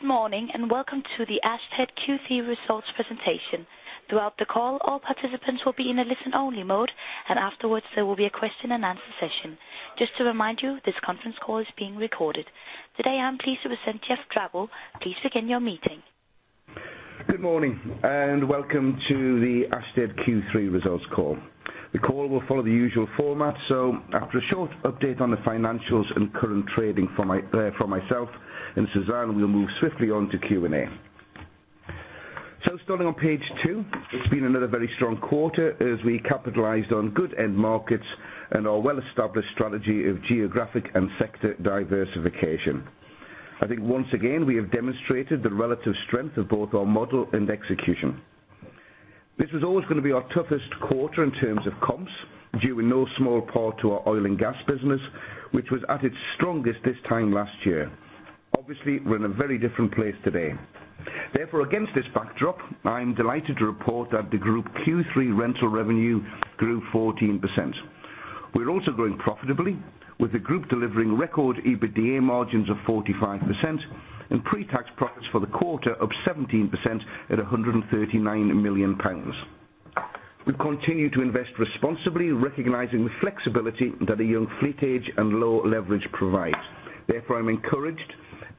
Good morning, welcome to the Ashtead Q3 results presentation. Throughout the call, all participants will be in a listen-only mode, afterwards there will be a Q&A session. To remind you, this conference call is being recorded. Today, I am pleased to present Geoff Drabble. Please begin your meeting. Good morning, welcome to the Ashtead Q3 results call. The call will follow the usual format, after a short update on the financials and current trading from myself and Suzanne, we will move swiftly on to Q&A. Starting on page two, it has been another very strong quarter as we capitalized on good end markets and our well-established strategy of geographic and sector diversification. I think once again, we have demonstrated the relative strength of both our model and execution. This was always going to be our toughest quarter in terms of comps, due in no small part to our oil and gas business, which was at its strongest this time last year. Obviously, we are in a very different place today. Therefore, against this backdrop, I am delighted to report that the group Q3 rental revenue grew 14%. We are also growing profitably, with the group delivering record EBITDA margins of 45% and pre-tax profits for the quarter of 17% at 139 million pounds. We continue to invest responsibly, recognizing the flexibility that a young fleet age and low leverage provides. Therefore, I am encouraged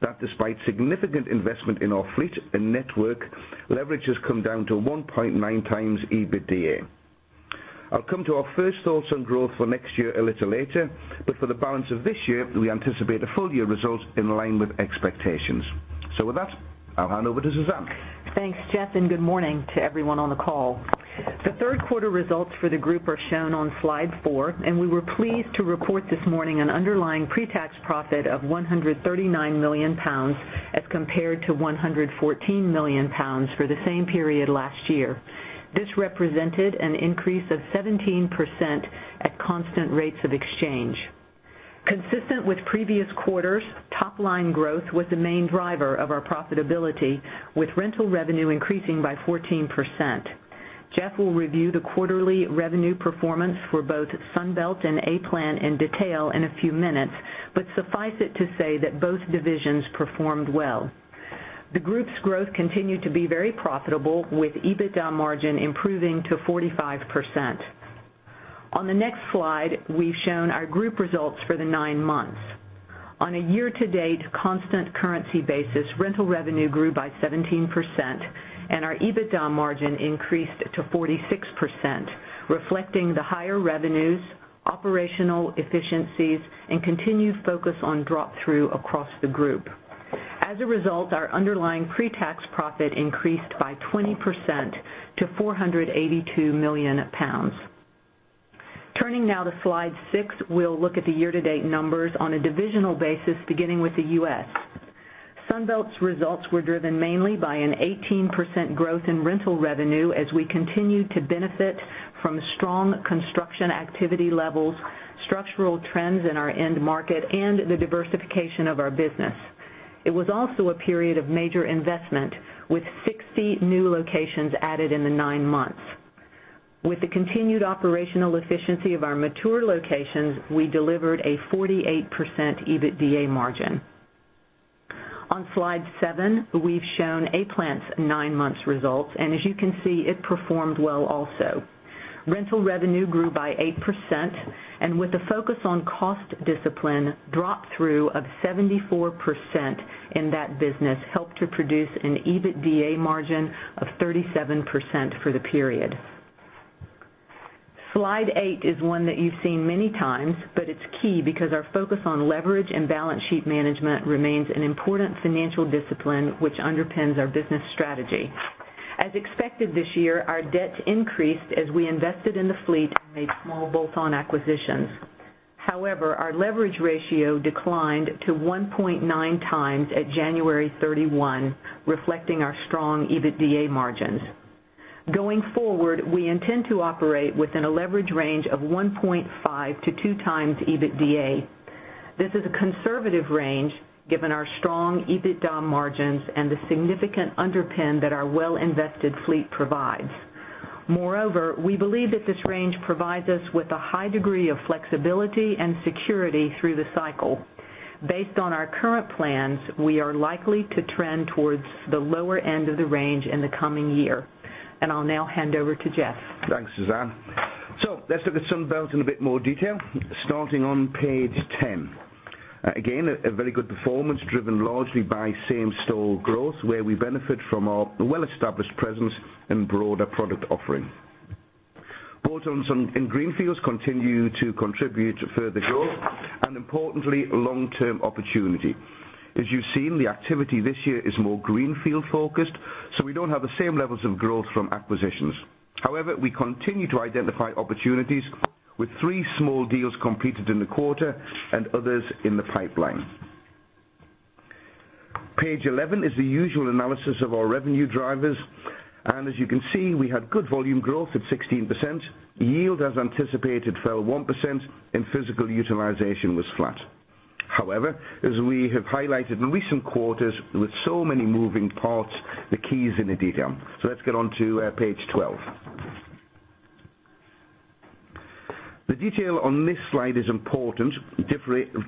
that despite significant investment in our fleet and network, leverage has come down to 1.9 times EBITDA. I will come to our first thoughts on growth for next year a little later, for the balance of this year, we anticipate a full-year result in line with expectations. With that, I will hand over to Suzanne. Thanks, Geoff, good morning to everyone on the call. The third quarter results for the group are shown on slide four, we were pleased to report this morning an underlying pre-tax profit of 139 million pounds as compared to 114 million pounds for the same period last year. This represented an increase of 17% at constant rates of exchange. Consistent with previous quarters, top-line growth was the main driver of our profitability, with rental revenue increasing by 14%. Geoff will review the quarterly revenue performance for both Sunbelt and A-Plant in detail in a few minutes, suffice it to say that both divisions performed well. The group's growth continued to be very profitable, with EBITDA margin improving to 45%. On the next slide, we have shown our group results for the nine months. On a year-to-date constant currency basis, rental revenue grew by 17%, and our EBITDA margin increased to 46%, reflecting the higher revenues, operational efficiencies, and continued focus on drop-through across the group. As a result, our underlying pre-tax profit increased by 20% to 482 million pounds. Turning now to slide six, we'll look at the year-to-date numbers on a divisional basis, beginning with the U.S. Sunbelt's results were driven mainly by an 18% growth in rental revenue as we continued to benefit from strong construction activity levels, structural trends in our end market, and the diversification of our business. It was also a period of major investment, with 60 new locations added in the nine months. With the continued operational efficiency of our mature locations, we delivered a 48% EBITDA margin. On slide seven, we've shown A-Plant's nine-month results, as you can see, it performed well also. Rental revenue grew by 8%, with a focus on cost discipline, drop-through of 74% in that business helped to produce an EBITDA margin of 37% for the period. Slide eight is one that you've seen many times, but it's key because our focus on leverage and balance sheet management remains an important financial discipline which underpins our business strategy. As expected this year, our debt increased as we invested in the fleet and made small bolt-on acquisitions. However, our leverage ratio declined to 1.9 times at January 31, reflecting our strong EBITDA margins. Going forward, we intend to operate within a leverage range of 1.5-2 times EBITDA. This is a conservative range given our strong EBITDA margins and the significant underpin that our well-invested fleet provides. Moreover, we believe that this range provides us with a high degree of flexibility and security through the cycle. Based on our current plans, we are likely to trend towards the lower end of the range in the coming year. I'll now hand over to Geoff. Thanks, Suzanne. Let's look at Sunbelt in a bit more detail, starting on page 10. Again, a very good performance driven largely by same-store growth, where we benefit from our well-established presence and broader product offering. Bolt-ons and greenfields continue to contribute to further growth and importantly, long-term opportunity. As you've seen, the activity this year is more greenfield focused, so we don't have the same levels of growth from acquisitions. However, we continue to identify opportunities with three small deals completed in the quarter and others in the pipeline. Page 11 is the usual analysis of our revenue drivers, as you can see, we had good volume growth at 16%. Yield, as anticipated, fell 1%, and physical utilization was flat. However, as we have highlighted in recent quarters, with so many moving parts, the key is in the detail. Let's get on to page 12. The detail on this slide is important,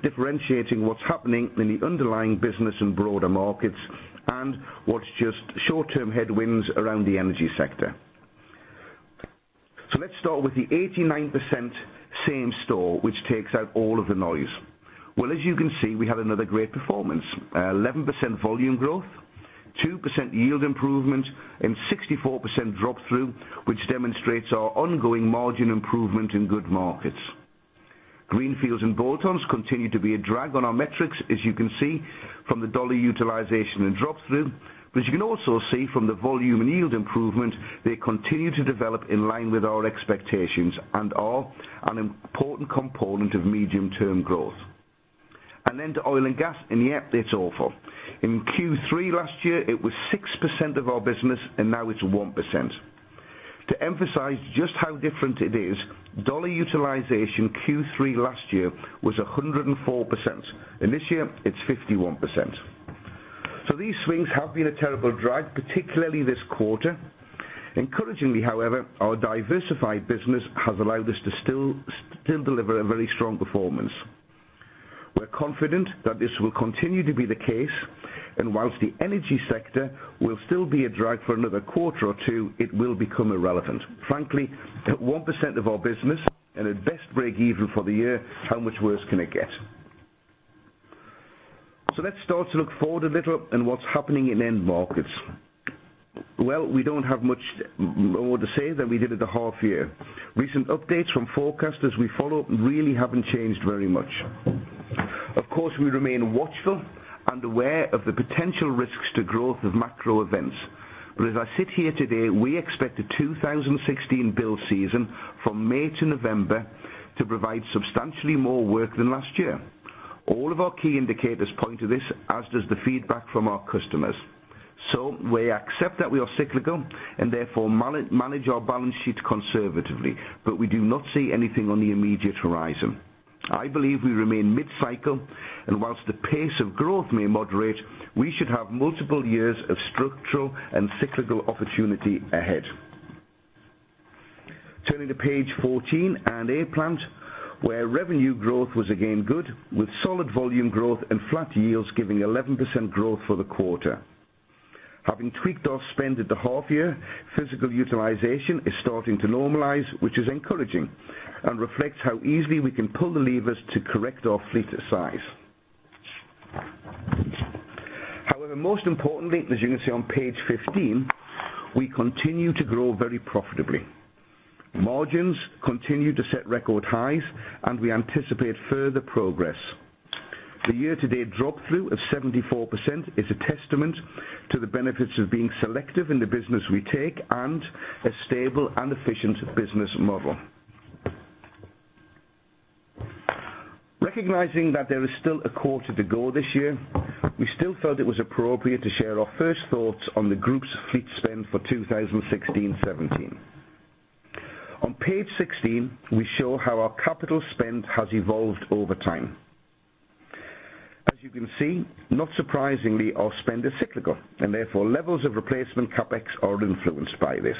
differentiating what's happening in the underlying business and broader markets, and what's just short-term headwinds around the energy sector. Let's start with the 89% same store, which takes out all of the noise. As you can see, we had another great performance, 11% volume growth, 2% yield improvement, and 64% drop-through, which demonstrates our ongoing margin improvement in good markets. Greenfields and bolt-ons continue to be a drag on our metrics, as you can see from the dollar utilization and drop-through, but you can also see from the volume and yield improvement, they continue to develop in line with our expectations and are an important component of medium-term growth. Then to oil and gas, and yep, it's awful. In Q3 last year, it was 6% of our business, and now it's 1%. To emphasize just how different it is, dollar utilization Q3 last year was 104%, and this year it's 51%. These swings have been a terrible drag, particularly this quarter. Encouragingly, however, our diversified business has allowed us to still deliver a very strong performance. We're confident that this will continue to be the case, and whilst the energy sector will still be a drag for another quarter or two, it will become irrelevant. Frankly, at 1% of our business, and at best break even for the year, how much worse can it get? Let's start to look forward a little and what's happening in end markets. We don't have much more to say than we did at the half year. Recent updates from forecasters we follow really haven't changed very much. Of course, we remain watchful and aware of the potential risks to growth of macro events. As I sit here today, we expect the 2016 bill season from May to November to provide substantially more work than last year. All of our key indicators point to this, as does the feedback from our customers. We accept that we are cyclical and therefore manage our balance sheet conservatively, but we do not see anything on the immediate horizon. I believe we remain mid-cycle, and whilst the pace of growth may moderate, we should have multiple years of structural and cyclical opportunity ahead. Turning to page 14 and A-Plant, where revenue growth was again good, with solid volume growth and flat yields giving 11% growth for the quarter. Having tweaked our spend at the half year, physical utilization is starting to normalize, which is encouraging and reflects how easily we can pull the levers to correct our fleet to size. Most importantly, as you can see on page 15, we continue to grow very profitably. Margins continue to set record highs, and we anticipate further progress. The year-to-date drop-through of 74% is a testament to the benefits of being selective in the business we take and a stable and efficient business model. Recognizing that there is still a quarter to go this year, we still felt it was appropriate to share our first thoughts on the group's fleet spend for 2016/17. On page 16, we show how our capital spend has evolved over time. As you can see, not surprisingly, our spend is cyclical, and therefore, levels of replacement CapEx are influenced by this.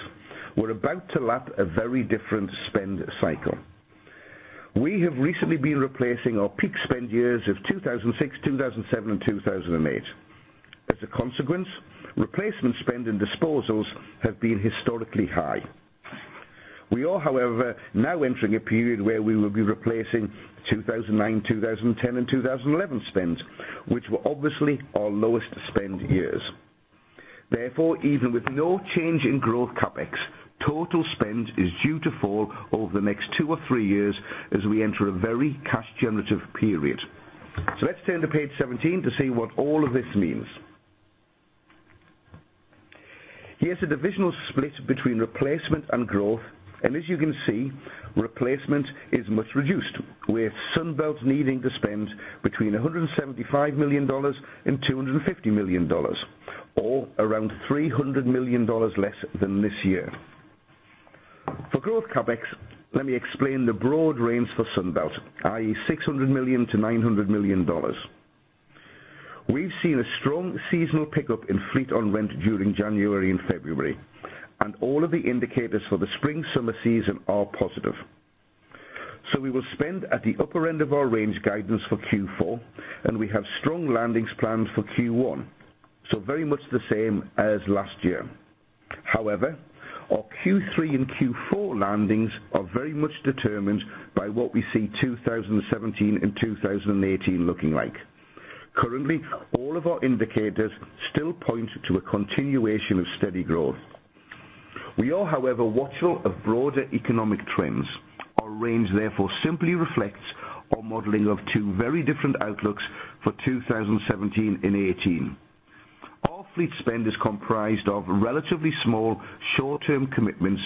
We're about to lap a very different spend cycle. We have recently been replacing our peak spend years of 2006, 2007, and 2008. As a consequence, replacement spend and disposals have been historically high. We are, however, now entering a period where we will be replacing 2009, 2010, and 2011 spends, which were obviously our lowest spend years. Therefore, even with no change in growth CapEx, total spend is due to fall over the next two or three years as we enter a very cash generative period. Let's turn to page 17 to see what all of this means. Here's a divisional split between replacement and growth, and as you can see, replacement is much reduced, with Sunbelt needing to spend between $175 million and $250 million, or around $300 million less than this year. For growth CapEx, let me explain the broad range for Sunbelt, i.e., $600 million to $900 million. We've seen a strong seasonal pickup in fleet on rent during January and February, and all of the indicators for the spring, summer season are positive. We will spend at the upper end of our range guidance for Q4, and we have strong landings planned for Q1. Very much the same as last year. However, our Q3 and Q4 landings are very much determined by what we see 2017 and 2018 looking like. Currently, all of our indicators still point to a continuation of steady growth. We are, however, watchful of broader economic trends. Our range therefore simply reflects our modeling of two very different outlooks for 2017 and 2018. Our fleet spend is comprised of relatively small, short-term commitments,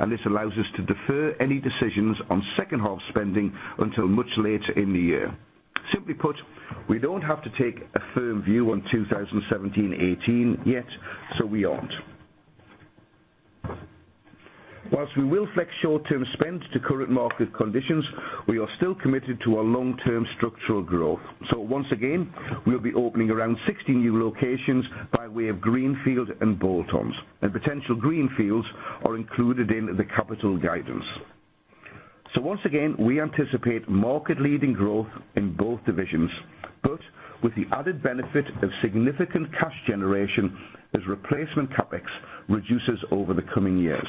and this allows us to defer any decisions on second half spending until much later in the year. Simply put, we don't have to take a firm view on 2017-2018 yet, so we aren't. Whilst we will flex short-term spend to current market conditions, we are still committed to our long-term structural growth. Once again, we'll be opening around 60 new locations by way of greenfield and bolt-ons, and potential greenfields are included in the capital guidance. Once again, we anticipate market leading growth in both divisions, both with the added benefit of significant cash generation as replacement CapEx reduces over the coming years.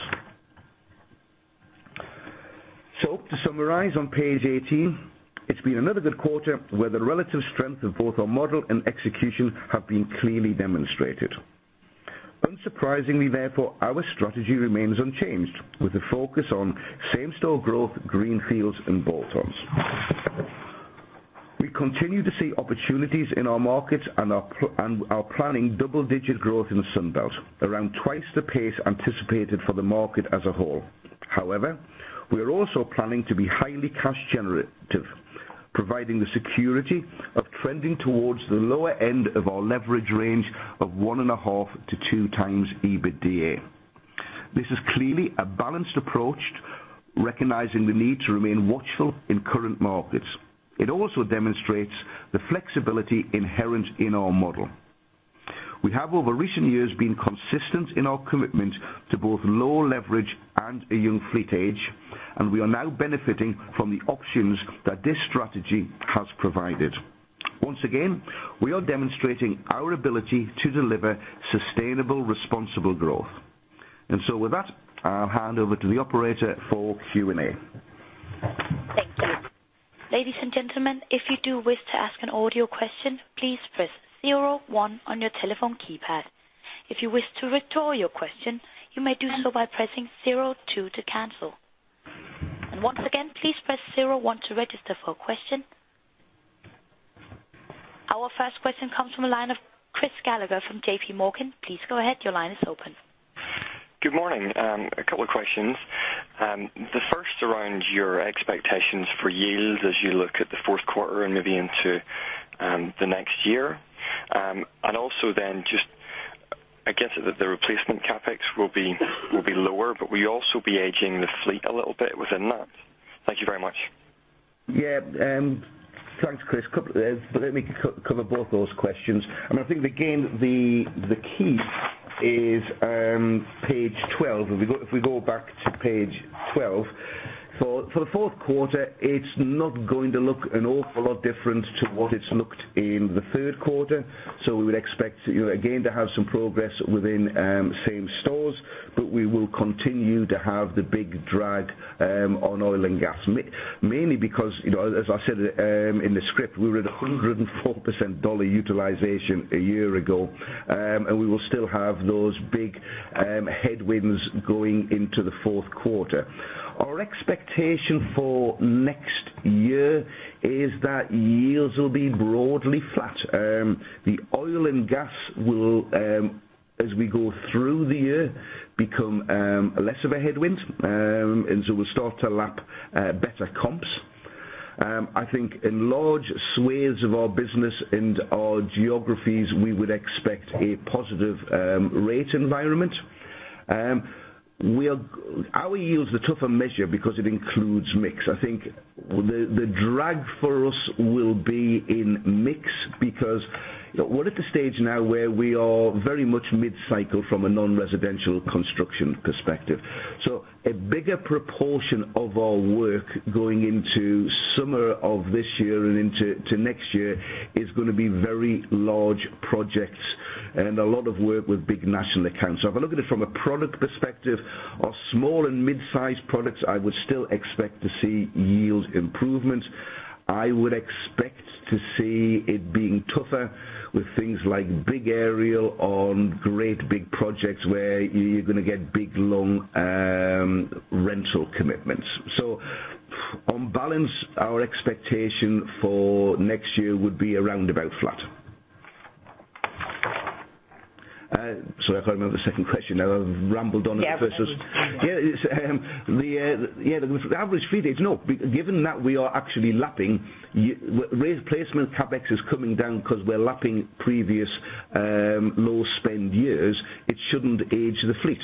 To summarize on page 18, it's been another good quarter where the relative strength of both our model and execution have been clearly demonstrated. Unsurprisingly, therefore, our strategy remains unchanged with the focus on same-store growth, greenfields, and bolt-ons. We continue to see opportunities in our markets and are planning double-digit growth in the Sunbelt, around twice the pace anticipated for the market as a whole. However, we are also planning to be highly cash generative, providing the security of trending towards the lower end of our leverage range of one and a half to two times EBITDA. This is clearly a balanced approach, recognizing the need to remain watchful in current markets. It also demonstrates the flexibility inherent in our model. We have, over recent years, been consistent in our commitment to both low leverage and a young fleet age, and we are now benefiting from the options that this strategy has provided. Once again, we are demonstrating our ability to deliver sustainable, responsible growth. With that, I'll hand over to the operator for Q&A. Thank you. Ladies and gentlemen, if you do wish to ask an audio question, please press zero one on your telephone keypad. If you wish to withdraw your question, you may do so by pressing zero two to cancel. Once again, please press zero one to register for a question. Our first question comes from the line of Chris Gallagher from JPMorgan. Please go ahead. Your line is open. Good morning. A couple of questions. The first around your expectations for yield as you look at the fourth quarter and maybe into the next year. Also then just I guess the replacement CapEx will be lower, but we also be aging the fleet a little bit within that. Thank you very much. Yeah. Thanks, Chris. Let me cover both those questions. I think again, the key is page 12. If we go back to page 12. For the fourth quarter, it is not going to look an awful lot different to what it has looked in the third quarter. We would expect, again, to have some progress within same stores, but we will continue to have the big drag on oil and gas. Mainly because, as I said in the script, we were at 104% dollar utilization a year ago, and we will still have those big headwinds going into the fourth quarter. Our expectation for next year is that yields will be broadly flat. Oil and gas will, as we go through the year, become less of a headwind, we will start to lap better comps. I think in large swathes of our business and our geographies, we would expect a positive rate environment. Our yields are a tougher measure because it includes mix. I think the drag for us will be in mix because we are at the stage now where we are very much mid-cycle from a non-residential construction perspective. A bigger proportion of our work going into summer of this year and into next year is going to be very large projects and a lot of work with big national accounts. If I look at it from a product perspective, our small and mid-size products, I would still expect to see yield improvements. I would expect to see it being tougher with things like big aerial on great big projects where you are going to get big, long rental commitments. On balance, our expectation for next year would be around about flat. Sorry, I can't remember the second question now. I've rambled on at the first. Yeah. The average fleet age, no. Given that we are actually lapping replacement CapEx is coming down because we're lapping previous low spend years, it shouldn't age the fleet.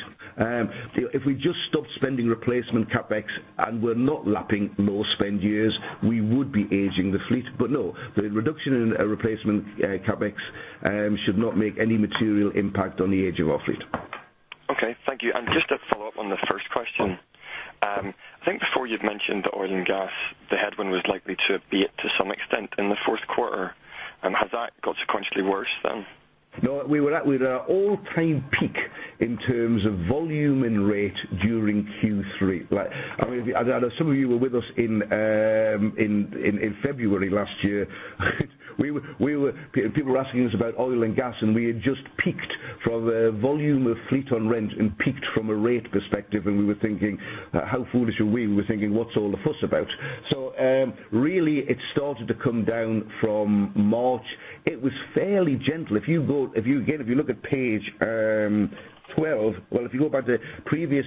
If we just stopped spending replacement CapEx and we're not lapping low spend years, we would be aging the fleet. No, the reduction in replacement CapEx should not make any material impact on the age of our fleet. Okay. Thank you. Just to follow up on the first question. Sure. I think before you'd mentioned the oil and gas, the headwind was likely to be at some extent in the fourth quarter. Has that got sequentially worse then? No, we were at our all-time peak in terms of volume and rate during Q3. As some of you were with us in February last year people were asking us about oil and gas, and we had just peaked from a volume of fleet on rent and peaked from a rate perspective, and we were thinking, how foolish are we? We were thinking, what's all the fuss about? Really, it started to come down from March. It was fairly gentle. Again, if you look at page 12, well, if you go back to previous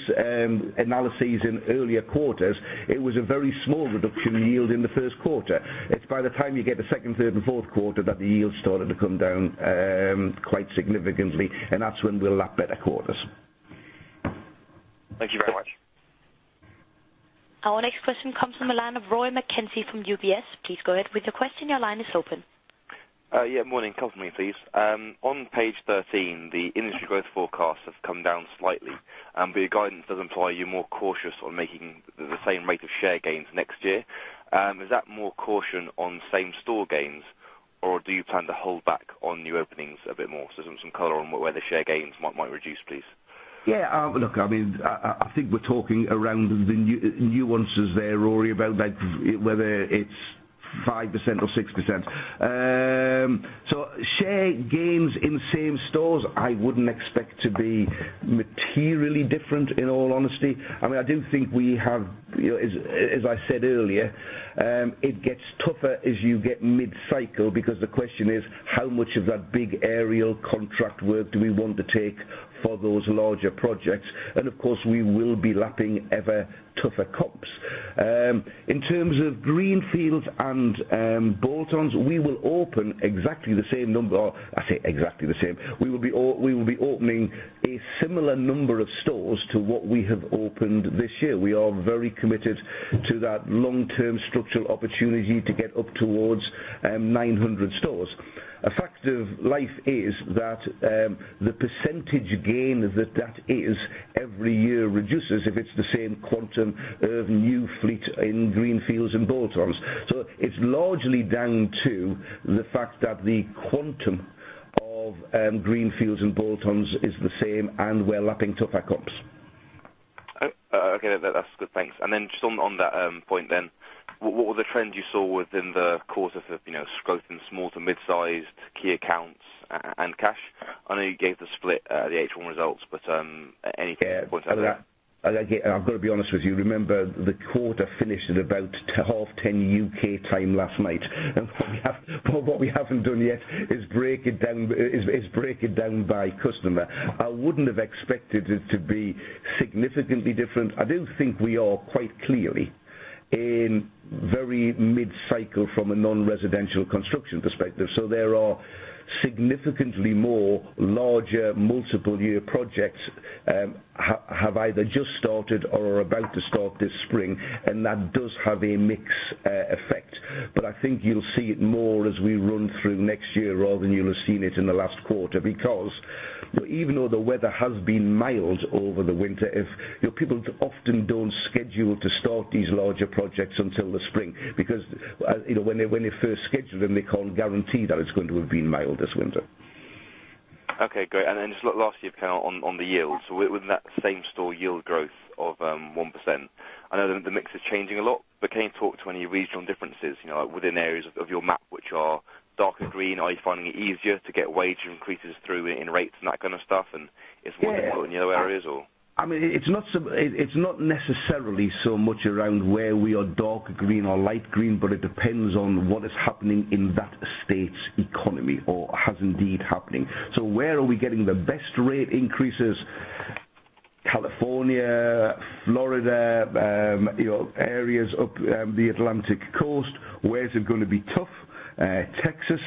analyses in earlier quarters, it was a very small reduction in yield in the first quarter. It's by the time you get the second, third, and fourth quarter that the yield started to come down quite significantly, and that's when we'll lap better quarters. Thank you very much. Our next question comes from the line of Rory McKenzie from UBS. Please go ahead with your question. Your line is open. Yeah, morning. A couple for me, please. On page 13, the industry growth forecast has come down slightly, but your guidance does imply you're more cautious on making the same rate of share gains next year. Is that more caution on same store gains, or do you plan to hold back on new openings a bit more? Some color on whether share gains might reduce, please. Yeah. Look, I think we're talking around the nuances there, Rory, about whether it's 5% or 6%. Share gains in same stores, I wouldn't expect to be materially different, in all honesty. I do think we have, as I said earlier, it gets tougher as you get mid-cycle because the question is: How much of that big aerial contract work do we want to take for those larger projects? We will be lapping ever tougher comps. In terms of greenfields and bolt-ons, we will open exactly the same number. We will be opening a similar number of stores to what we have opened this year. We are very committed to that long-term structural opportunity to get up towards 900 stores. A fact of life is that the percentage gain that is every year reduces if it's the same quantum of new fleet in greenfields and bolt-ons. It's largely down to the fact that the quantum of greenfields and bolt-ons is the same, and we're lapping tougher comps. Okay. That's good. Thanks. Just on that point then, what were the trends you saw within the course of growth in small to mid-size key accounts and cash? I know you gave the split at the H1 results, but anything you can point out there? Again, I've got to be honest with you. Remember the quarter finished at about 10:30 U.K. time last night, and what we haven't done yet is break it down by customer. I wouldn't have expected it to be significantly different. I do think we are quite clearly in very mid-cycle from a non-residential construction perspective, so there are significantly more larger multiple-year projects have either just started or are about to start this spring, and that does have a mixed effect. I think you'll see it more as we run through next year rather than you'll have seen it in the last quarter because even though the weather has been mild over the winter, people often don't schedule to start these larger projects until the spring because when they first schedule them, they can't guarantee that it's going to have been mild this winter. Okay, great. Just lastly, on the yields, with that same-store yield growth of 1%, I know the mix is changing a lot, but can you talk to any regional differences within areas of your map which are darker green? Are you finding it easier to get wage increases through in rates and that kind of stuff than. Yeah in other areas, or? It's not necessarily so much around where we are dark green or light green, but it depends on what is happening in that state's economy or has indeed happening. Where are we getting the best rate increases? California, Florida, areas up the Atlantic coast. Where is it going to be tough? Texas.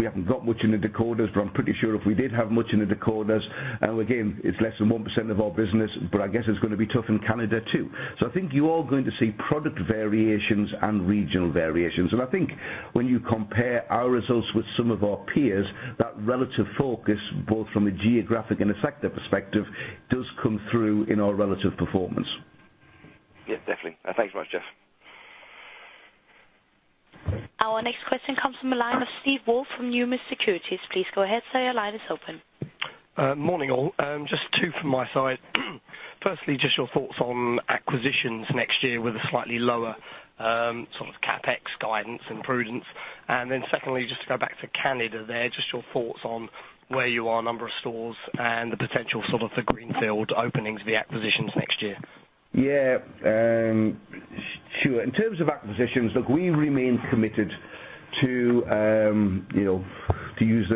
We haven't got much in the Dakotas, but I'm pretty sure if we did have much in the Dakotas, again, it's less than 1% of our business, but I guess it's going to be tough in Canada, too. I think you are going to see product variations and regional variations. I think when you compare our results with some of our peers, that relative focus, both from a geographic and a sector perspective, does come through in our relative performance. Yeah, definitely. Thanks very much, Geoff. Our next question comes from the line of Steve Woolf from Numis Securities. Please go ahead. Sir, your line is open. Morning, all. Just two from my side. Firstly, just your thoughts on acquisitions next year with a slightly lower CapEx guidance and prudence. Secondly, just to go back to Canada there, just your thoughts on where you are, number of stores, and the potential for greenfield openings via acquisitions next year. Yeah. Sure. In terms of acquisitions, look, we remain committed to use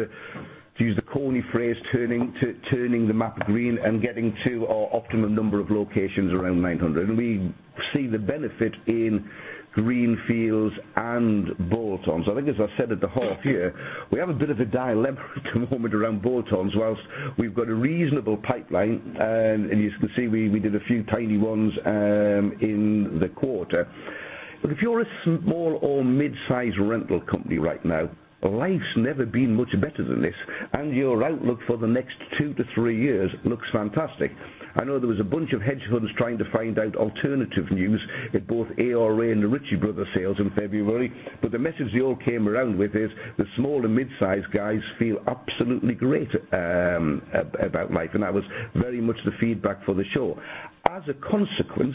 the corny phrase, turning the map green and getting to our optimum number of locations around 900. We see the benefit in greenfields and bolt-ons. I think as I said at the half year, we have a bit of a dilemma at the moment around bolt-ons. Whilst we've got a reasonable pipeline, and as you can see, we did a few tiny ones in the quarter. If you're a small or mid-size rental company right now, life's never been much better than this, and your outlook for the next two to three years looks fantastic. I know there was a bunch of hedge funds trying to find out alternative news in both ARA and the Ritchie Bros. sales in February, the message they all came around with is the small to mid-size guys feel absolutely great about life, and that was very much the feedback for the show. As a consequence,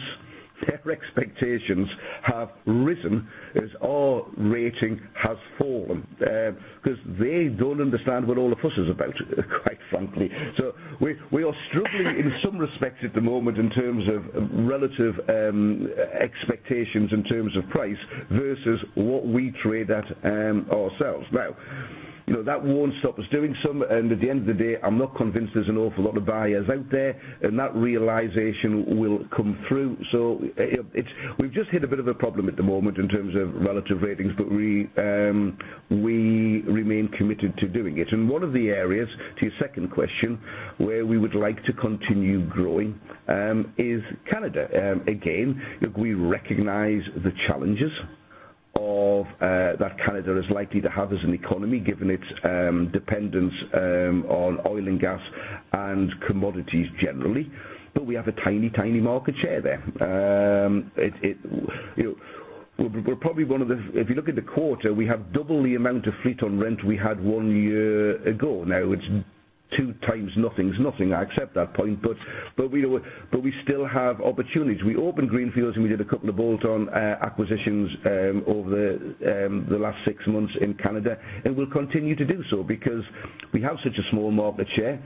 their expectations have risen as our rating has fallen because they don't understand what all the fuss is about, quite frankly. We are struggling in some respects at the moment in terms of relative expectations in terms of price versus what we trade at ourselves. Now, that won't stop us doing some, at the end of the day, I'm not convinced there's an awful lot of buyers out there, and that realization will come through. We've just hit a bit of a problem at the moment in terms of relative ratings, we remain committed to doing it. One of the areas, to your second question, where we would like to continue growing is Canada. Look, we recognize the challenges that Canada is likely to have as an economy, given its dependence on oil and gas and commodities generally. We have a tiny market share there. If you look at the quarter, we have double the amount of fleet on rent we had one year ago. It's two times nothing, is nothing. I accept that point. We still have opportunities. We opened greenfields, and we did a couple of bolt-on acquisitions over the last six months in Canada, and we'll continue to do so because we have such a small market share.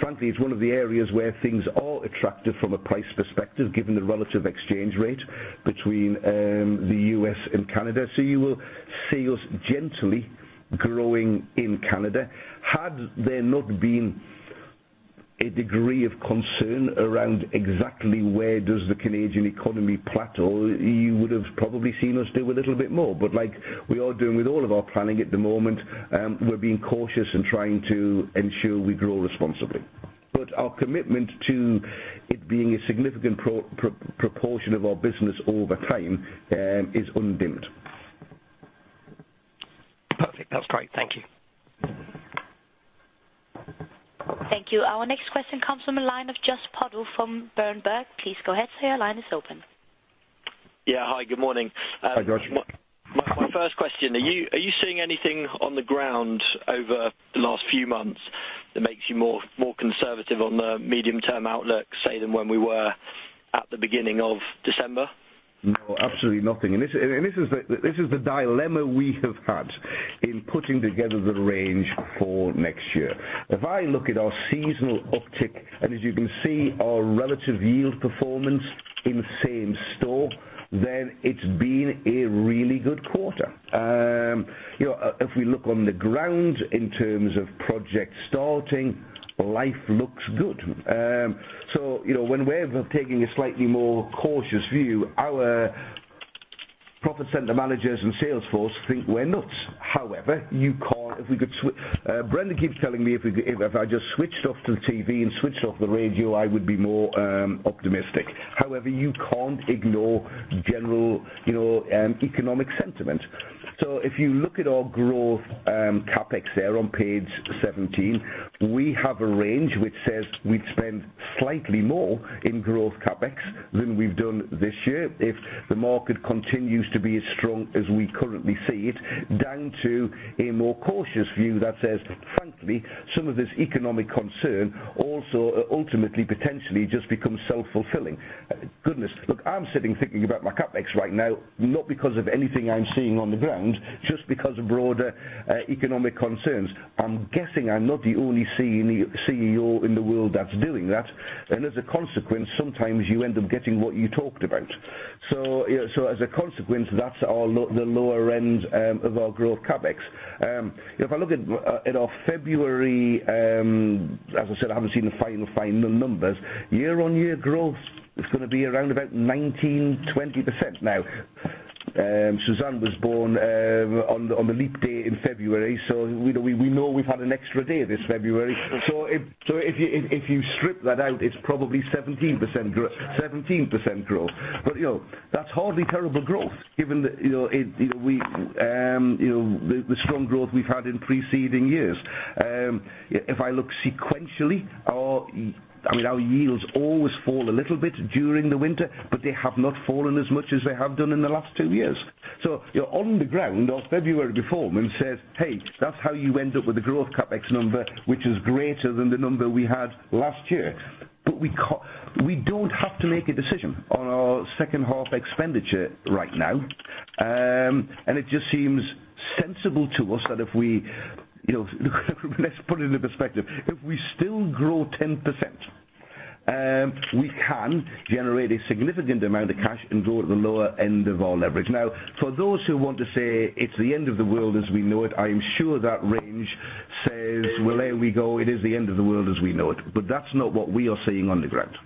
Frankly, it's one of the areas where things are attractive from a price perspective, given the relative exchange rate between the U.S. and Canada. You will see us gently growing in Canada. Had there not been a degree of concern around exactly where does the Canadian economy plateau, you would have probably seen us do a little bit more. Like we are doing with all of our planning at the moment, we're being cautious and trying to ensure we grow responsibly. Our commitment to it being a significant proportion of our business over time is undimmed. Perfect. That's great. Thank you. Thank you. Our next question comes from the line of Josh Puddle from Berenberg. Please go ahead. Your line is open. Yeah. Hi, good morning. Hi, Josh. My first question, are you seeing anything on the ground over the last few months that makes you more conservative on the medium-term outlook, say, than when we were at the beginning of December? No, absolutely nothing. This is the dilemma we have had in putting together the range for next year. If I look at our seasonal uptick, and as you can see, our relative yield performance in same store, then it's been a really good quarter. If we look on the ground in terms of project starting, life looks good. When we're taking a slightly more cautious view, our profit center managers and sales force think we're nuts. Brendan keeps telling me if I just switched off the TV and switched off the radio, I would be more optimistic. However, you can't ignore general economic sentiment. If you look at our growth CapEx there on page 17, we have a range which says we'd spend slightly more in growth CapEx than we've done this year. If the market continues to be as strong as we currently see it, down to a more cautious view that says, frankly, some of this economic concern also ultimately potentially just becomes self-fulfilling. Goodness. Look, I'm sitting thinking about my CapEx right now, not because of anything I'm seeing on the ground, just because of broader economic concerns. I'm guessing I'm not the only CEO in the world that's doing that. As a consequence, sometimes you end up getting what you talked about. As a consequence, that's the lower end of our growth CapEx. If I look at our February, as I said, I haven't seen the final numbers. Year-over-year growth is going to be around about 19%-20% now. Suzanne was born on the leap day in February, so we know we've had an extra day this February. If you strip that out, it's probably 17% growth. That's hardly terrible growth given the strong growth we've had in preceding years. If I look sequentially, our yields always fall a little bit during the winter, but they have not fallen as much as they have done in the last two years. You're on the ground of February performance says, hey, that's how you end up with a growth CapEx number, which is greater than the number we had last year. We don't have to make a decision on our second half expenditure right now, and it just seems sensible to us that if we, let's put it into perspective. If we still grow 10%, we can generate a significant amount of cash and grow at the lower end of our leverage. Now, for those who want to say it's the end of the world as we know it, I am sure that range says, well, there we go. It is the end of the world as we know it. That's not what we are seeing on the ground.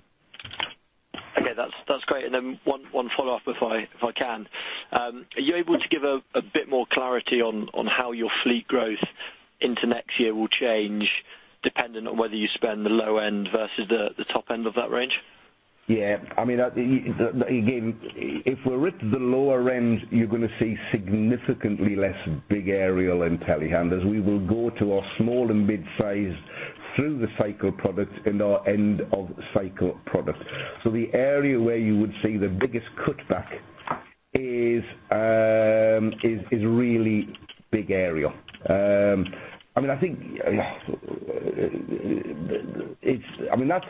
Okay. That's great. Then one follow-up, if I can. Are you able to give a bit more clarity on how your fleet growth into next year will change depending on whether you spend the low end versus the top end of that range? Yeah. If we're at the lower end, you're going to see significantly less big aerial and telehandlers. We will go to our small and midsize through the cycle products and our end of cycle products. The area where you would see the biggest cutback is really big aerial. That's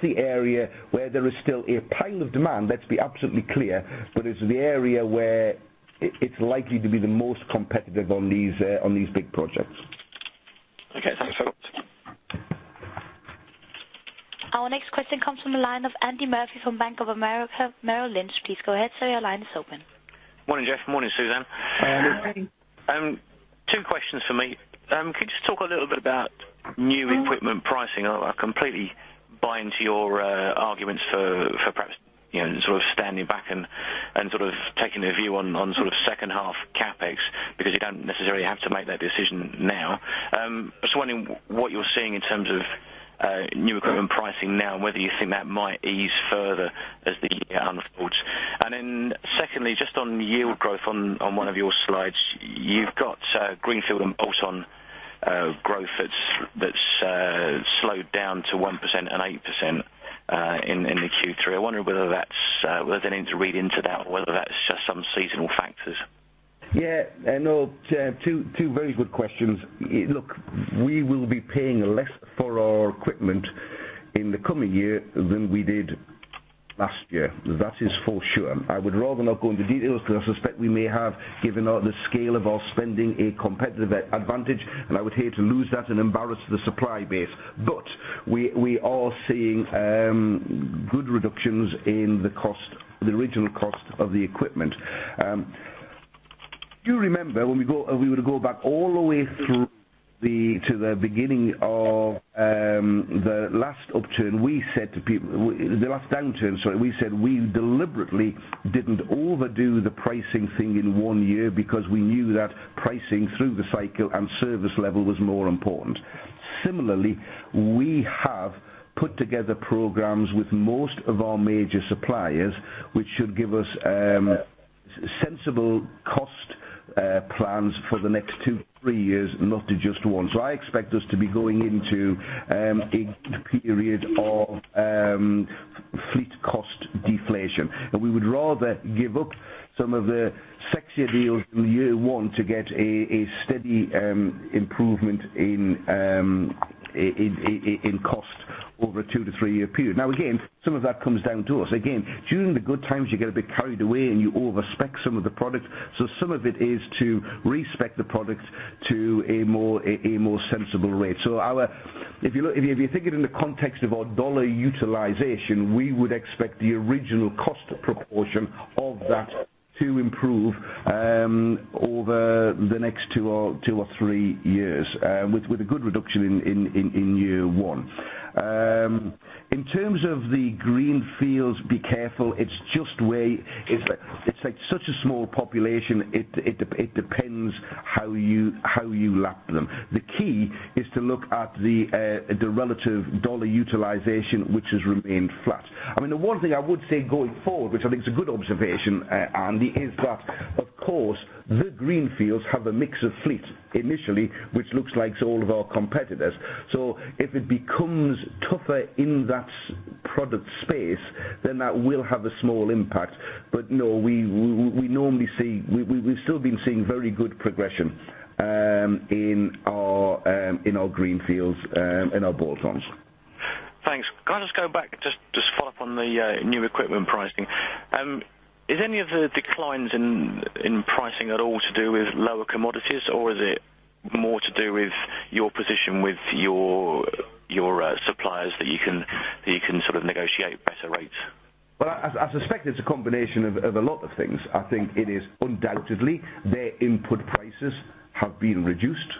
the area where there is still a pile of demand, let's be absolutely clear, but it's the area where it's likely to be the most competitive on these big projects. Okay. Thanks a lot. Our next question comes from the line of Andy Murphy from Bank of America Merrill Lynch. Please go ahead. Sir, your line is open. Morning, Geoff. Morning, Suzanne. Hi, Andy. Morning. Two questions for me. Could you just talk a little bit about new equipment pricing? I completely buy into your arguments for perhaps sort of standing back and sort of taking a view on sort of second half CapEx because you don't necessarily have to make that decision now. I'm just wondering what you're seeing in terms of new equipment pricing now and whether you think that might ease further as the year unfolds. Secondly, just on yield growth on one of your slides, you've got greenfield and bolt-on growth that's slowed down to 1% and 8% in the Q3. I wonder whether there's anything to read into that or whether that's just some seasonal factors. I know, two very good questions. Look, we will be paying less for our equipment in the coming year than we did last year. That is for sure. I would rather not go into details because I suspect we may have, given the scale of our spending, a competitive advantage, and I would hate to lose that and embarrass the supply base. We are seeing good reductions in the original cost of the equipment. If you remember, when we would go back all the way to the beginning of the last upturn. The last downturn, sorry, we said we deliberately didn't overdo the pricing thing in one year because we knew that pricing through the cycle and service level was more important. Similarly, we have put together programs with most of our major suppliers, which should give us sensible cost plans for the next two, three years, not to just one. I expect us to be going into a period of fleet cost deflation. We would rather give up some of the sexier deals in year one to get a steady improvement in cost over a two to three year period. Now, again, some of that comes down to us. Again, during the good times, you get a bit carried away and you overspec some of the products. Some of it is to re-spec the product to a more sensible rate. If you think it in the context of our dollar utilization, we would expect the original cost proportion of that to improve over the next two or three years, with a good reduction in year one. In terms of the greenfields, be careful. It's like such a small population, it depends how you lap them. The key is to look at the relative dollar utilization, which has remained flat. The one thing I would say going forward, which I think is a good observation, Andy, is that, of course, the greenfields have a mix of fleet initially, which looks like all of our competitors. If it becomes tougher in that product space, then that will have a small impact. No, we've still been seeing very good progression in our greenfields and our bolt-ons. Thanks. Can I just go back just to follow up on the new equipment pricing. Is any of the declines in pricing at all to do with lower commodities, or is it more to do with your position with your suppliers that you can sort of negotiate better rates? Well, I suspect it's a combination of a lot of things. I think it is undoubtedly their input prices have been reduced.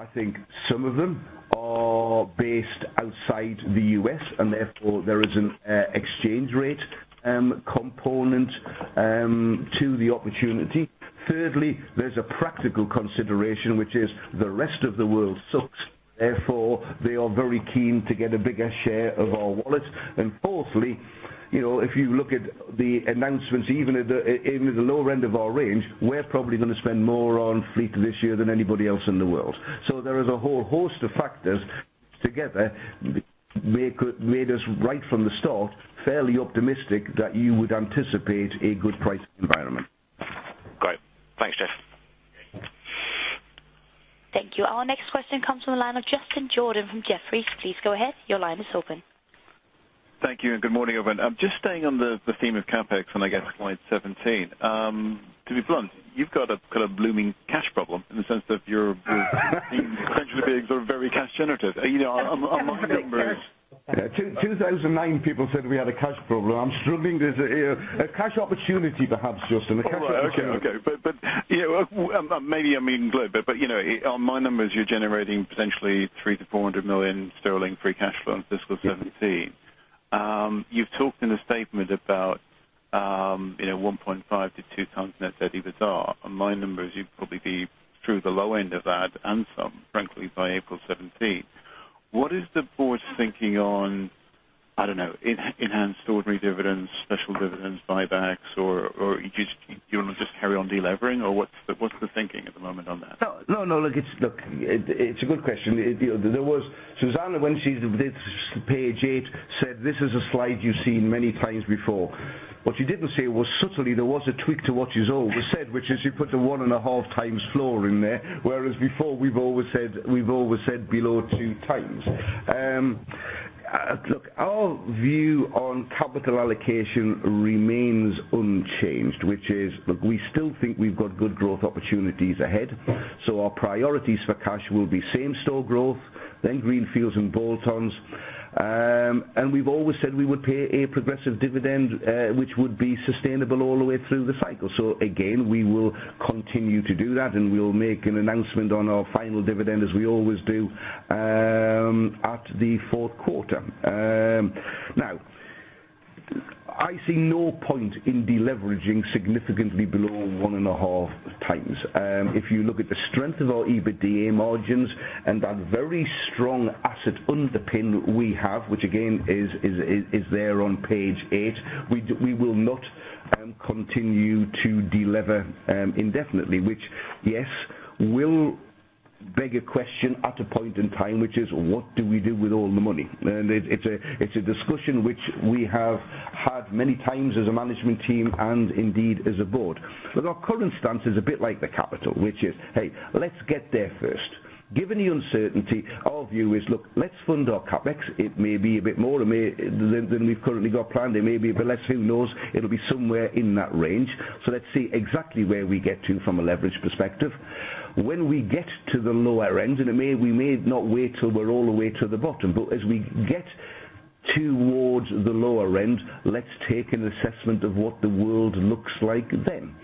I think some of them are based outside the U.S., and therefore there is an exchange rate component to the opportunity. Thirdly, there's a practical consideration, which is the rest of the world sucks, therefore, they are very keen to get a bigger share of our wallet. Fourthly, if you look at the announcements, even at the lower end of our range, we're probably going to spend more on fleet this year than anybody else in the world. There is a whole host of factors together made us right from the start, fairly optimistic that you would anticipate a good pricing environment. Great. Thanks, Geoff. Thank you. Our next question comes from the line of Justin Jordan from Jefferies. Please go ahead. Your line is open. Thank you. Good morning, everyone. Just staying on the theme of CapEx, and I guess slide 17. To be blunt, you've got a blooming cash problem in the sense that you're potentially being sort of very cash generative. 2009, people said we had a cash problem. A cash opportunity, perhaps, Justin. All right. Okay. Maybe I'm being glib. On my numbers, you're generating potentially 300 million-400 million sterling free cash flow in fiscal 2017. You've talked in the statement about 1.5x to 2x net debt EBITDA. On my numbers, you'd probably be through the low end of that and some, frankly, by April 2017. What is the board thinking on, I don't know, enhanced ordinary dividends, special dividends, buybacks, or do you want to just carry on de-levering? What's the thinking at the moment on that? It is a good question. Suzanne, when she did page eight, said, "This is a slide you've seen many times before." What she didn't say was subtly, there was a tweak to what is always said, which is you put a one and a half times floor in there, whereas before we've always said below two times. Our view on capital allocation remains unchanged, which is, we still think we've got good growth opportunities ahead. Our priorities for cash will be same store growth, then greenfields and bolt-ons. We've always said we would pay a progressive dividend, which would be sustainable all the way through the cycle. Again, we will continue to do that, and we'll make an announcement on our final dividend, as we always do, at the fourth quarter. I see no point in deleveraging significantly below one and a half times. If you look at the strength of our EBITDA margins and that very strong asset underpin we have, which again is there on page eight, we will not continue to delever indefinitely. Which will beg a question at a point in time, which is: what do we do with all the money? It's a discussion which we have had many times as a management team and indeed as a board. Our current stance is a bit like The Capital, which is, hey, let's get there first. Given the uncertainty, our view is, let's fund our CapEx. It may be a bit more than we've currently got planned. It may be a bit less, who knows? It'll be somewhere in that range. Let's see exactly where we get to from a leverage perspective. When we get to the lower end, and we may not wait till we're all the way to the bottom, but as we get towards the lower end, let's take an assessment of what the world looks like then.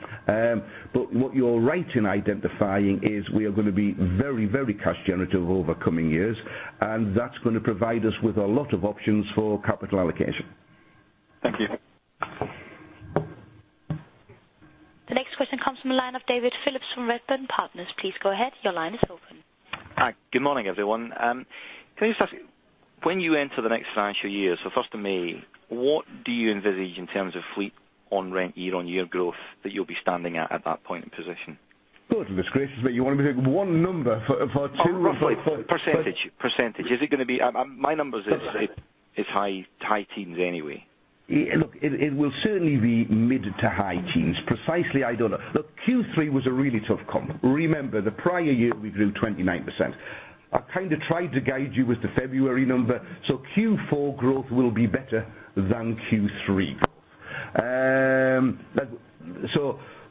But what you're right in identifying is we are going to be very, very cash generative over coming years, and that's going to provide us with a lot of options for capital allocation. Thank you. The next question comes from the line of David Phillips from Redburn Partners. Please go ahead. Your line is open. Hi. Good morning, everyone. Can I just ask, when you enter the next financial year, so 1st of May, what do you envisage in terms of fleet on rent year-on-year growth that you'll be standing at that point and position? God, it's disgraceful. You want me to give one number for. Percentage. My numbers is high teens anyway. It will certainly be mid-to-high teens. Precisely, I don't know. Q3 was a really tough comp. Remember, the prior year, we grew 29%. I kind of tried to guide you with the February number. Q4 growth will be better than Q3.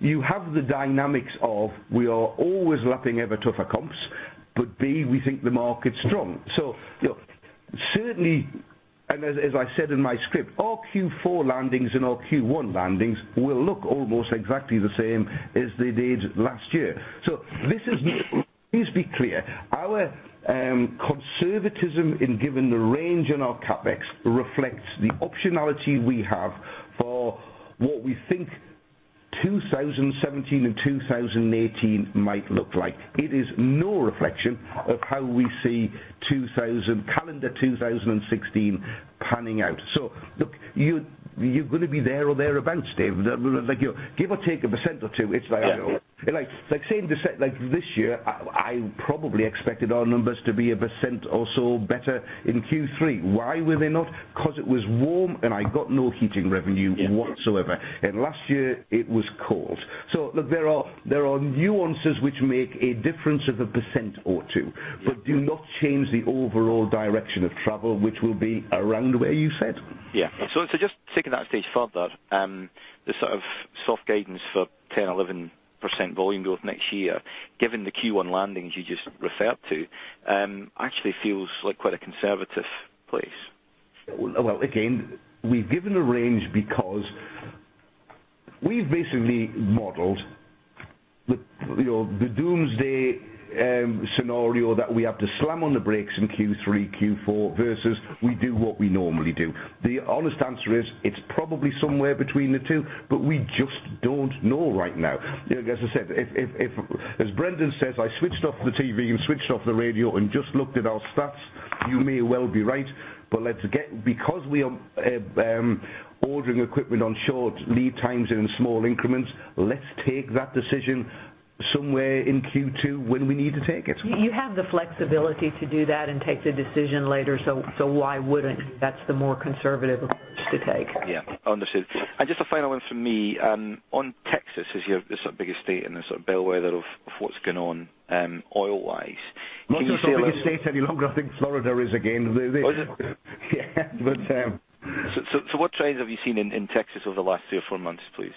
You have the dynamics of we are always lapping ever tougher comps, B, we think the market's strong. Certainly, as I said in my script, our Q4 landings and our Q1 landings will look almost exactly the same as they did last year. Please be clear. Our conservatism in giving the range on our CapEx reflects the optionality we have for what we think 2017 and 2018 might look like. It is no reflection of how we see calendar 2016 panning out. You're going to be there or thereabout, David. Give or take 1% or 2%. Yeah. This year, I probably expected our numbers to be 1% or so better in Q3. Why were they not? Because it was warm and I got no heating revenue whatsoever. Yeah. Last year it was cold. There are nuances which make a difference of 1% or 2%. Yeah Do not change the overall direction of travel, which will be around where you said. Yeah. Just taking that a stage further, the sort of soft guidance for 10%-11% volume growth next year, given the Q1 landings you just referred to, actually feels like quite a conservative place. Well, again, we've given a range because we've basically modeled the doomsday scenario that we have to slam on the brakes in Q3, Q4, versus we do what we normally do. The honest answer is it's probably somewhere between the two. We just don't know right now. As Brendan says, I switched off the TV and switched off the radio and just looked at our stats. You may well be right. Because we are ordering equipment on short lead times in small increments, let's take that decision somewhere in Q2 when we need to take it. You have the flexibility to do that and take the decision later, why wouldn't? That's the more conservative approach to take. Yeah. Understood. Just a final one from me. On Texas as your biggest state and the sort of bellwether of what's going on oil-wise. Can you- Not the biggest state any longer. I think Florida is again. Is it? Yeah. What trends have you seen in Texas over the last three or four months, please?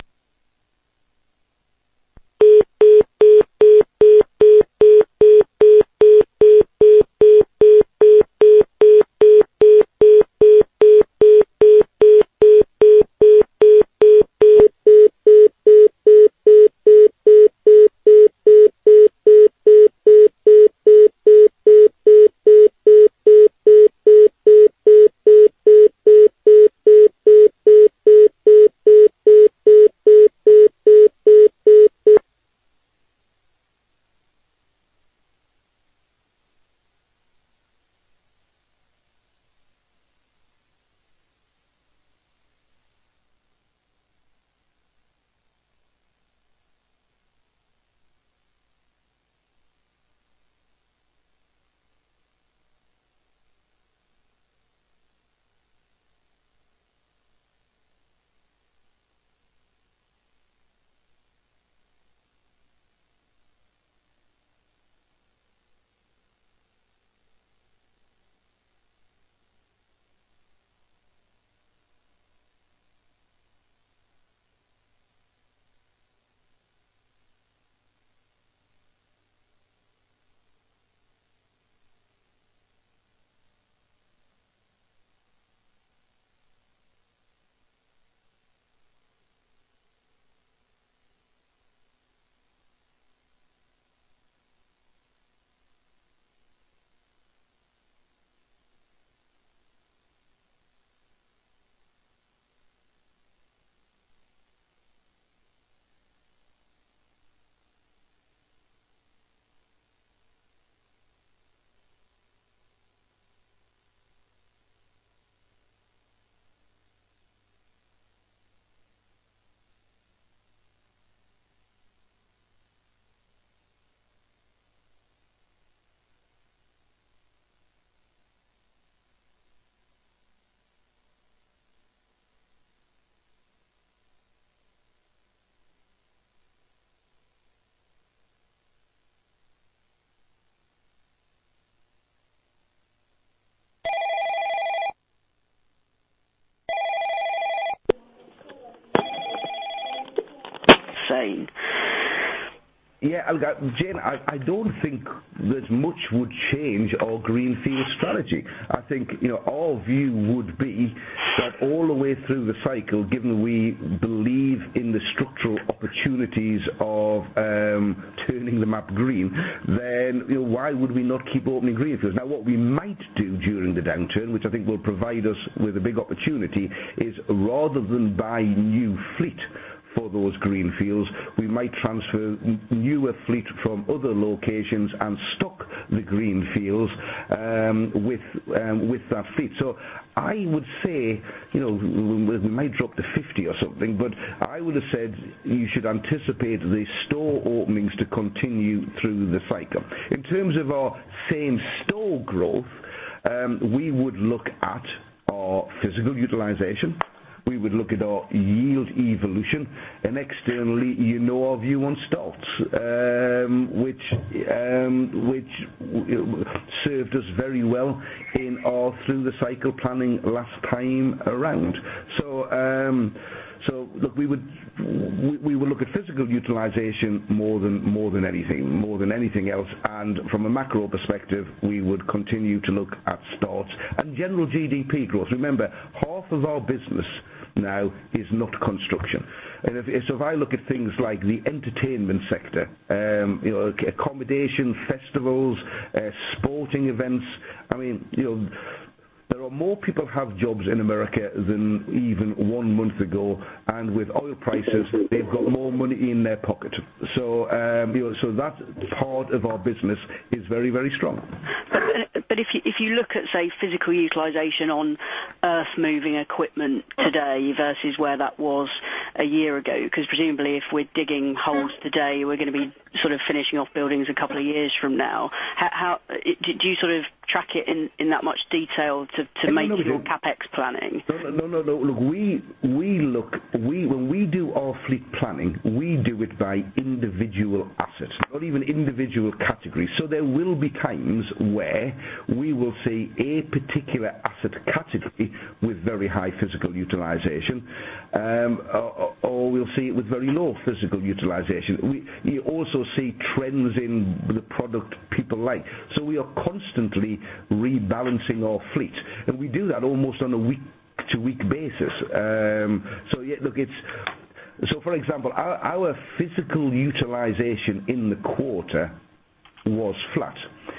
Say. Yeah. I don't think that much would change our greenfield strategy. I think our view would be that all the way through the cycle, given we believe in the structural opportunities of turning them up green, why would we not keep opening greenfields? What we might do during the downturn, which I think will provide us with a big opportunity, is rather than buy new fleet for those greenfields, we might transfer newer fleet from other locations and stock the greenfields with that fleet. I would say, we might drop to 50 or something, but I would've said you should anticipate the store openings to continue through the cycle. In terms of our same-store growth, we would look at our physical utilization, we would look at our yield evolution, and externally, you know our view on starts, which served us very well in all through the cycle planning last time around. Look, we will look at physical utilization more than anything else. From a macro perspective, we would continue to look at starts and general GDP growth. Remember, half of our business now is not construction. If I look at things like the entertainment sector, accommodation, festivals, sporting events, there are more people have jobs in the U.S. than even one month ago. With oil prices, they've got more money in their pocket. That part of our business is very, very strong. If you look at, say, physical utilization on earthmoving equipment today versus where that was a year ago, because presumably if we're digging holes today, we're going to be finishing off buildings a couple of years from now. Do you track it in that much detail to make your CapEx planning? No. Look, when we do our fleet planning, we do it by individual asset, not even individual categories. There will be times where we will see a particular asset category with very high physical utilization, or we'll see it with very low physical utilization. We also see trends in the product people like. We are constantly rebalancing our fleet, and we do that almost on a week-to-week basis. For example, our physical utilization in the quarter was flat.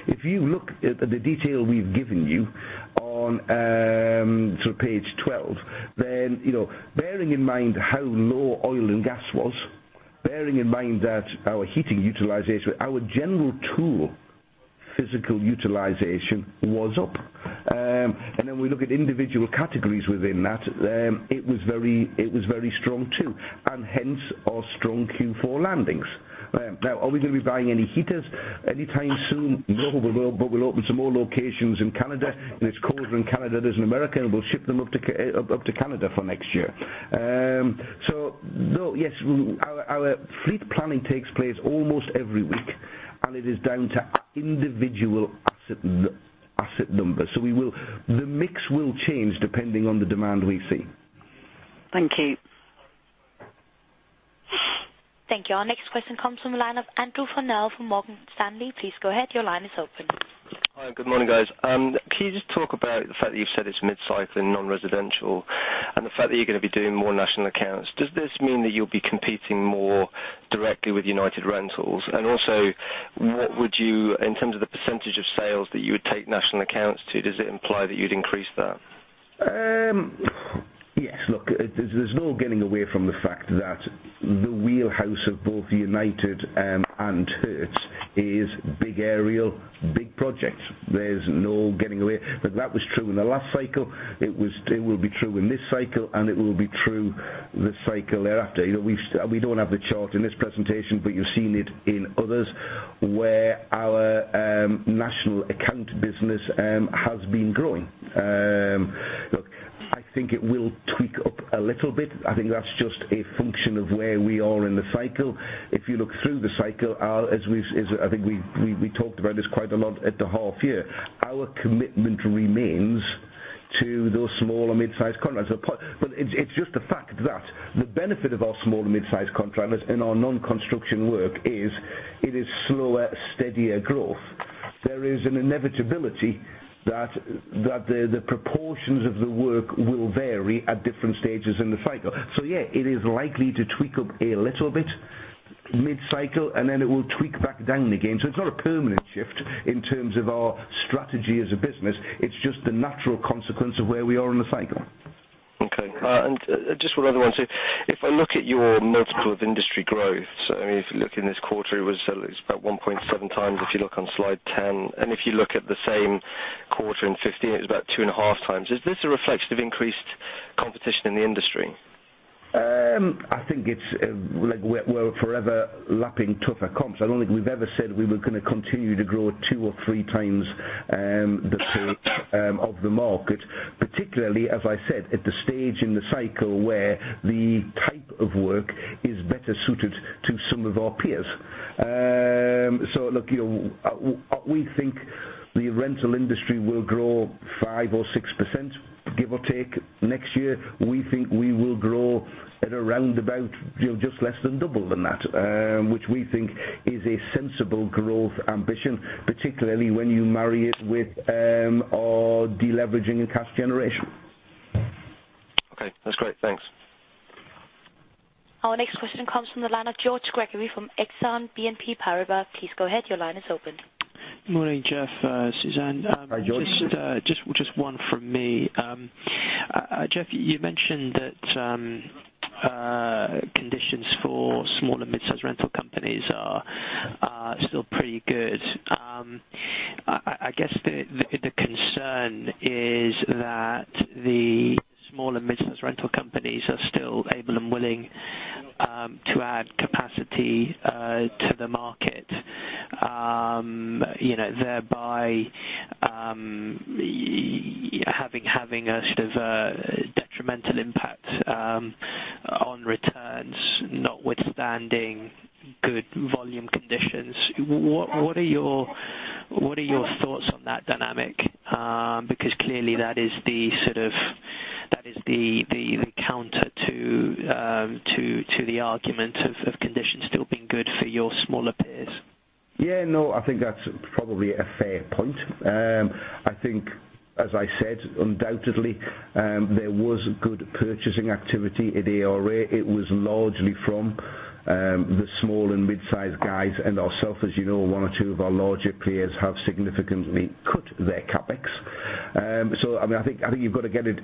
If you look at the detail we've given you on page 12, bearing in mind how low oil and gas was, bearing in mind that our heating utilization, our general tool physical utilization was up. We look at individual categories within that, it was very strong too, and hence our strong Q4 landings. Are we going to be buying any heaters anytime soon? No, but we'll open some more locations in Canada, and it's colder in Canada than America, and we'll ship them up to Canada for next year. Yes, our fleet planning takes place almost every week, and it is down to individual asset numbers. The mix will change depending on the demand we see. Thank you. Thank you. Our next question comes from the line of Andrew Wilson from Morgan Stanley. Please go ahead. Your line is open. Hi, good morning, guys. Can you just talk about the fact that you've said it's mid-cycle in non-residential and the fact that you're going to be doing more national accounts. Does this mean that you'll be competing more directly with United Rentals? Also, what would you, in terms of the percentage of sales that you would take national accounts to, does it imply that you'd increase that? Yes. Look, there's no getting away from the fact that the wheelhouse of both United and Herc is big aerial, big projects. There's no getting away. That was true in the last cycle, it will be true in this cycle, and it will be true the cycle thereafter. We don't have the chart in this presentation, but you've seen it in others, where our national account business has been growing. Look, I think it will tweak up a little bit. I think that's just a function of where we are in the cycle. If you look through the cycle, I think we talked about this quite a lot at the half year. Our commitment remains to those small and mid-sized contractors. It's just the fact that the benefit of our small and mid-sized contractors in our non-construction work is it is slower, steadier growth. There is an inevitability that the proportions of the work will vary at different stages in the cycle. Yeah, it is likely to tweak up a little bit mid-cycle. Then it will tweak back down again. It's not a permanent shift in terms of our strategy as a business. It's just the natural consequence of where we are in the cycle. Okay. Just one other one, too. If I look at your multiple of industry growth, if you look in this quarter, it's about 1.7 times, if you look on slide 10. If you look at the same quarter in 2015, it's about 2.5 times. Is this a reflection of increased competition in the industry? I think we're forever lapping tougher comps. I don't think we've ever said we were going to continue to grow at two or three times the pace of the market, particularly, as I said, at the stage in the cycle where the type of work is better suited to some of our peers. Look, we think the rental industry will grow 5% or 6%, give or take, next year. We think we will grow at around about just less than double than that, which we think is a sensible growth ambition, particularly when you marry it with our deleveraging and cash generation. Okay, that's great. Thanks. Our next question comes from the line of George Gregory from Exane BNP Paribas. Please go ahead. Your line is open. Morning, Geoff, Suzanne. Hi, George. Just one from me. Geoff, you mentioned that conditions for small and mid-size rental companies are still pretty good. I guess the concern is that the small and mid-size rental companies are still able and willing to add capacity to the market, thereby having a sort of a detrimental impact on returns, notwithstanding good volume conditions. What are your thoughts on that dynamic? Clearly that is the counter to the argument of conditions still being good for your smaller peers. Yeah, no, I think that's probably a fair point. I think, as I said, undoubtedly, there was good purchasing activity at ARA. It was largely from the small and mid-size guys and ourself. As you know, one or two of our larger peers have significantly cut their CapEx. I think you've got to get it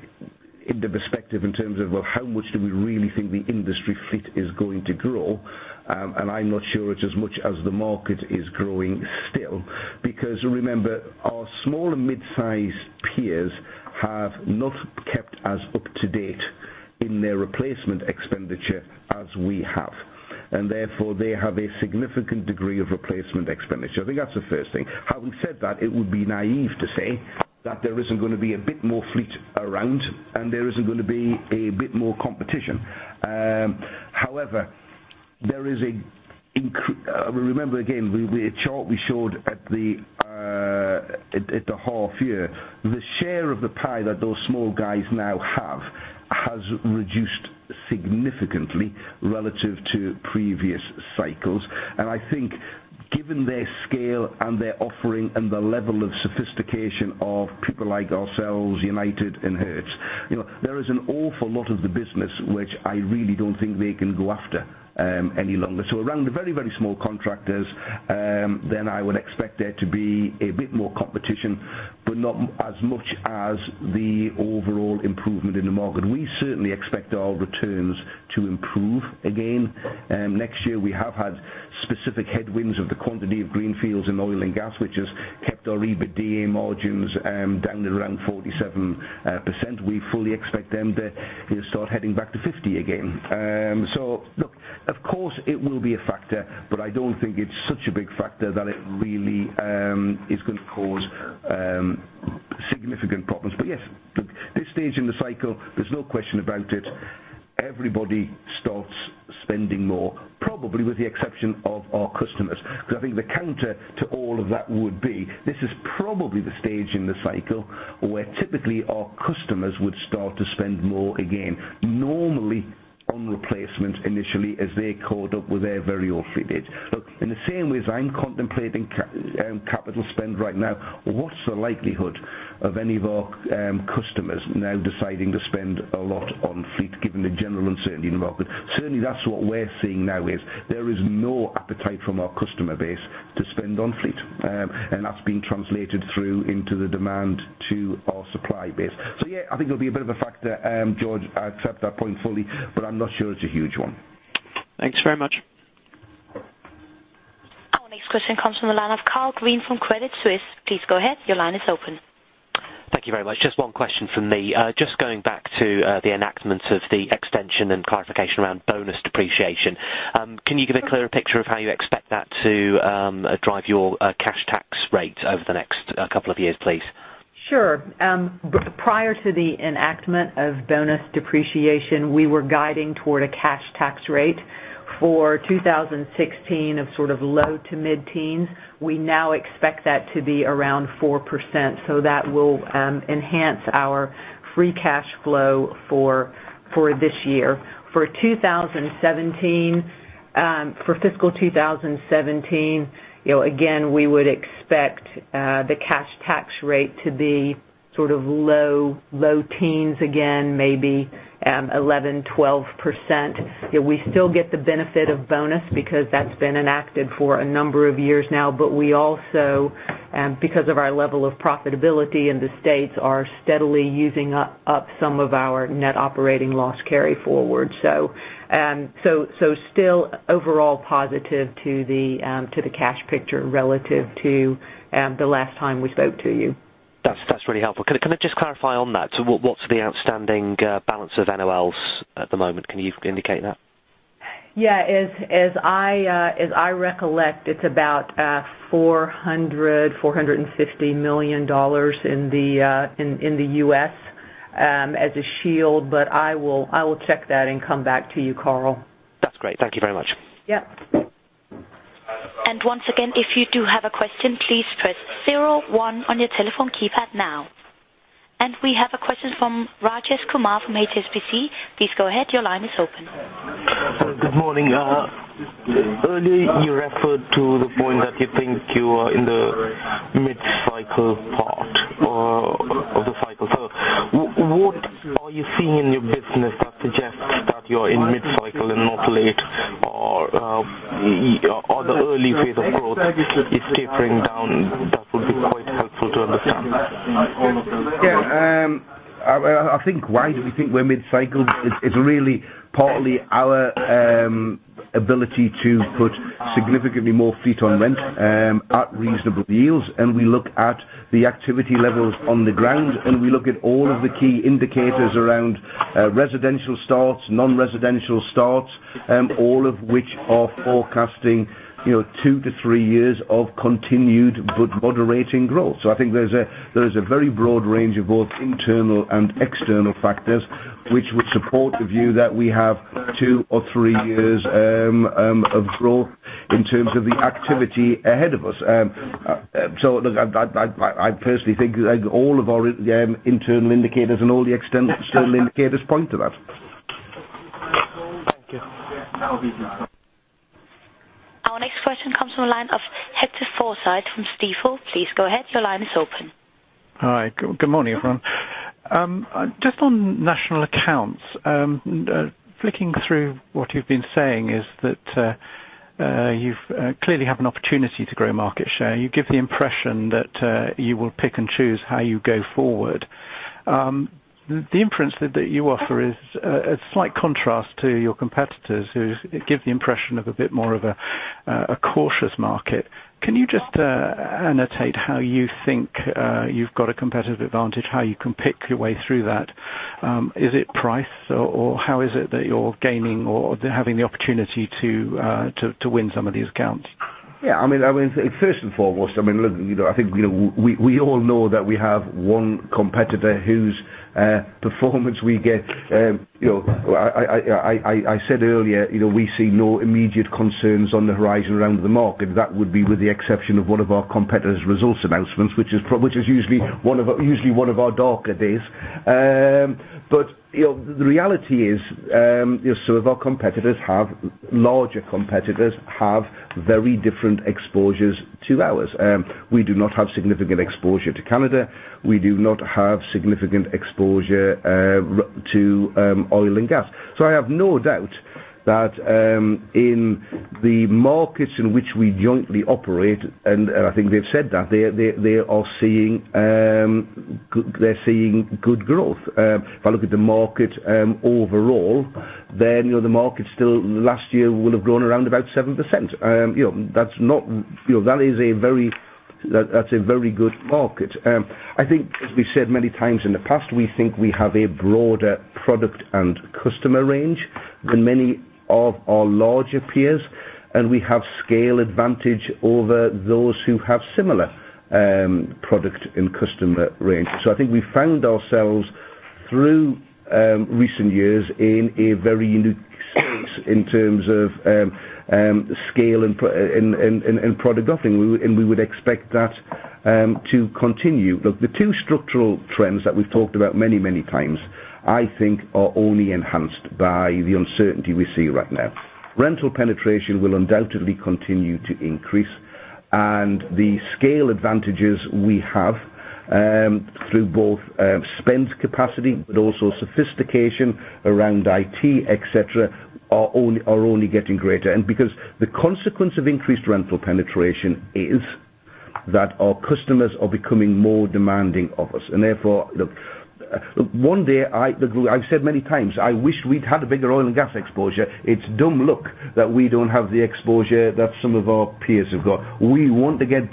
into perspective in terms of how much do we really think the industry fleet is going to grow. I'm not sure it's as much as the market is growing still. Remember, our small and mid-size peers have not kept as up-to-date in their replacement expenditure as we have, and therefore they have a significant degree of replacement expenditure. I think that's the first thing. Having said that, it would be naïve to say that there isn't going to be a bit more fleet around and there isn't going to be a bit more competition. Remember again, the chart we showed at the half year. The share of the pie that those small guys now have has reduced significantly relative to previous cycles. I think given their scale and their offering and the level of sophistication of people like ourselves, United, and Herc, there is an awful lot of the business which I really don't think they can go after any longer. Around the very, very small contractors, then I would expect there to be a bit more competition, but not as much as the overall improvement in the market. We certainly expect our returns to improve again next year. We have had specific headwinds of the quantity of greenfields in oil and gas, which has kept our EBITDA margins down to around 47%. We fully expect them to start heading back to 50 again. Look, of course it will be a factor, but I don't think it's such a big factor that it really is going to cause significant problems. Yes, look, this stage in the cycle, there's no question about it, everybody starts spending more, probably with the exception of our customers. I think the counter to all of that would be, this is probably the stage in the cycle where typically our customers would start to spend more again, normally on replacement initially as they caught up with their very old fleet dates. Look, in the same way as I'm contemplating capital spend right now, what's the likelihood of any of our customers now deciding to spend a lot on fleet given the general uncertainty in the market? Certainly, that's what we're seeing now is there is no appetite from our customer base to spend on fleet. That's been translated through into the demand to our supply base. Yeah, I think it'll be a bit of a factor, George. I accept that point fully, but I'm not sure it's a huge one. Thanks very much. Our next question comes from the line of Carl Green from Credit Suisse. Please go ahead. Your line is open. Thank you very much. Just one question from me. Just going back to the enactment of the extension and clarification around bonus depreciation. Can you give a clearer picture of how you expect that to drive your cash tax rate over the next couple of years, please? Sure. Prior to the enactment of bonus depreciation, we were guiding toward a cash tax rate For 2016 of sort of low to mid-teens, we now expect that to be around 4%, that will enhance our free cash flow for this year. For fiscal 2017, again, we would expect the cash tax rate to be low teens again, maybe 11%, 12%. We still get the benefit of bonus because that's been enacted for a number of years now. We also, because of our level of profitability in the states, are steadily using up some of our net operating loss carryforward. Still overall positive to the cash picture relative to the last time we spoke to you. That's really helpful. Can I just clarify on that? What's the outstanding balance of NOLs at the moment? Can you indicate that? Yeah. As I recollect, it's about $400 million, $450 million in the U.S. as a shield, I will check that and come back to you, Carl. That's great. Thank you very much. Yep. Once again, if you do have a question, please press zero one on your telephone keypad now. We have a question from Rajesh Kumar from HSBC. Please go ahead. Your line is open. Good morning. Earlier you referred to the point that you think you are in the mid-cycle part of the cycle. What are you seeing in your business that suggests that you are in mid-cycle and not late or the early phase of growth is tapering down? That would be quite helpful to understand. Yeah. I think why do we think we're mid-cycle is really partly our ability to put significantly more fleet on rent at reasonable yields. We look at the activity levels on the ground. We look at all of the key indicators around residential starts, non-residential starts, all of which are forecasting two to three years of continued but moderating growth. I think there is a very broad range of both internal and external factors which would support the view that we have two or three years of growth in terms of the activity ahead of us. Look, I personally think all of our internal indicators and all the external indicators point to that. Thank you. Our next question comes from the line of Hector Forsythe from Stifel. Please go ahead. Your line is open. Hi. Good morning, everyone. On National Accounts. Flicking through what you've been saying is that you clearly have an opportunity to grow market share. You give the impression that you will pick and choose how you go forward. The inference that you offer is a slight contrast to your competitors, who give the impression of a bit more of a cautious market. Can you just annotate how you think you've got a competitive advantage, how you can pick your way through that? Is it price or how is it that you're gaining or having the opportunity to win some of these accounts? Yeah. First and foremost, look, I think we all know that we have one competitor whose performance I said earlier, we see no immediate concerns on the horizon around the market. That would be with the exception of one of our competitors' results announcements, which is usually one of our darker days. The reality is some of our larger competitors have very different exposures to ours. We do not have significant exposure to Canada. We do not have significant exposure to oil and gas. I have no doubt that in the markets in which we jointly operate, and I think they've said that they're seeing good growth. If I look at the market overall, the market still last year would have grown around about 7%. That's a very good market. I think as we said many times in the past, we think we have a broader product and customer range than many of our larger peers, and we have scale advantage over those who have similar product and customer range. I think we found ourselves through recent years in a very unique space in terms of scale and product offering. We would expect that to continue. Look, the two structural trends that we've talked about many times, I think are only enhanced by the uncertainty we see right now. Rental penetration will undoubtedly continue to increase, and the scale advantages we have through both spend capacity but also sophistication around IT, et cetera, are only getting greater. Because the consequence of increased rental penetration is that our customers are becoming more demanding of us and therefore, look, one day, I've said many times, I wish we'd had a bigger oil and gas exposure. It's dumb luck that we don't have the exposure that some of our peers have got. We want to get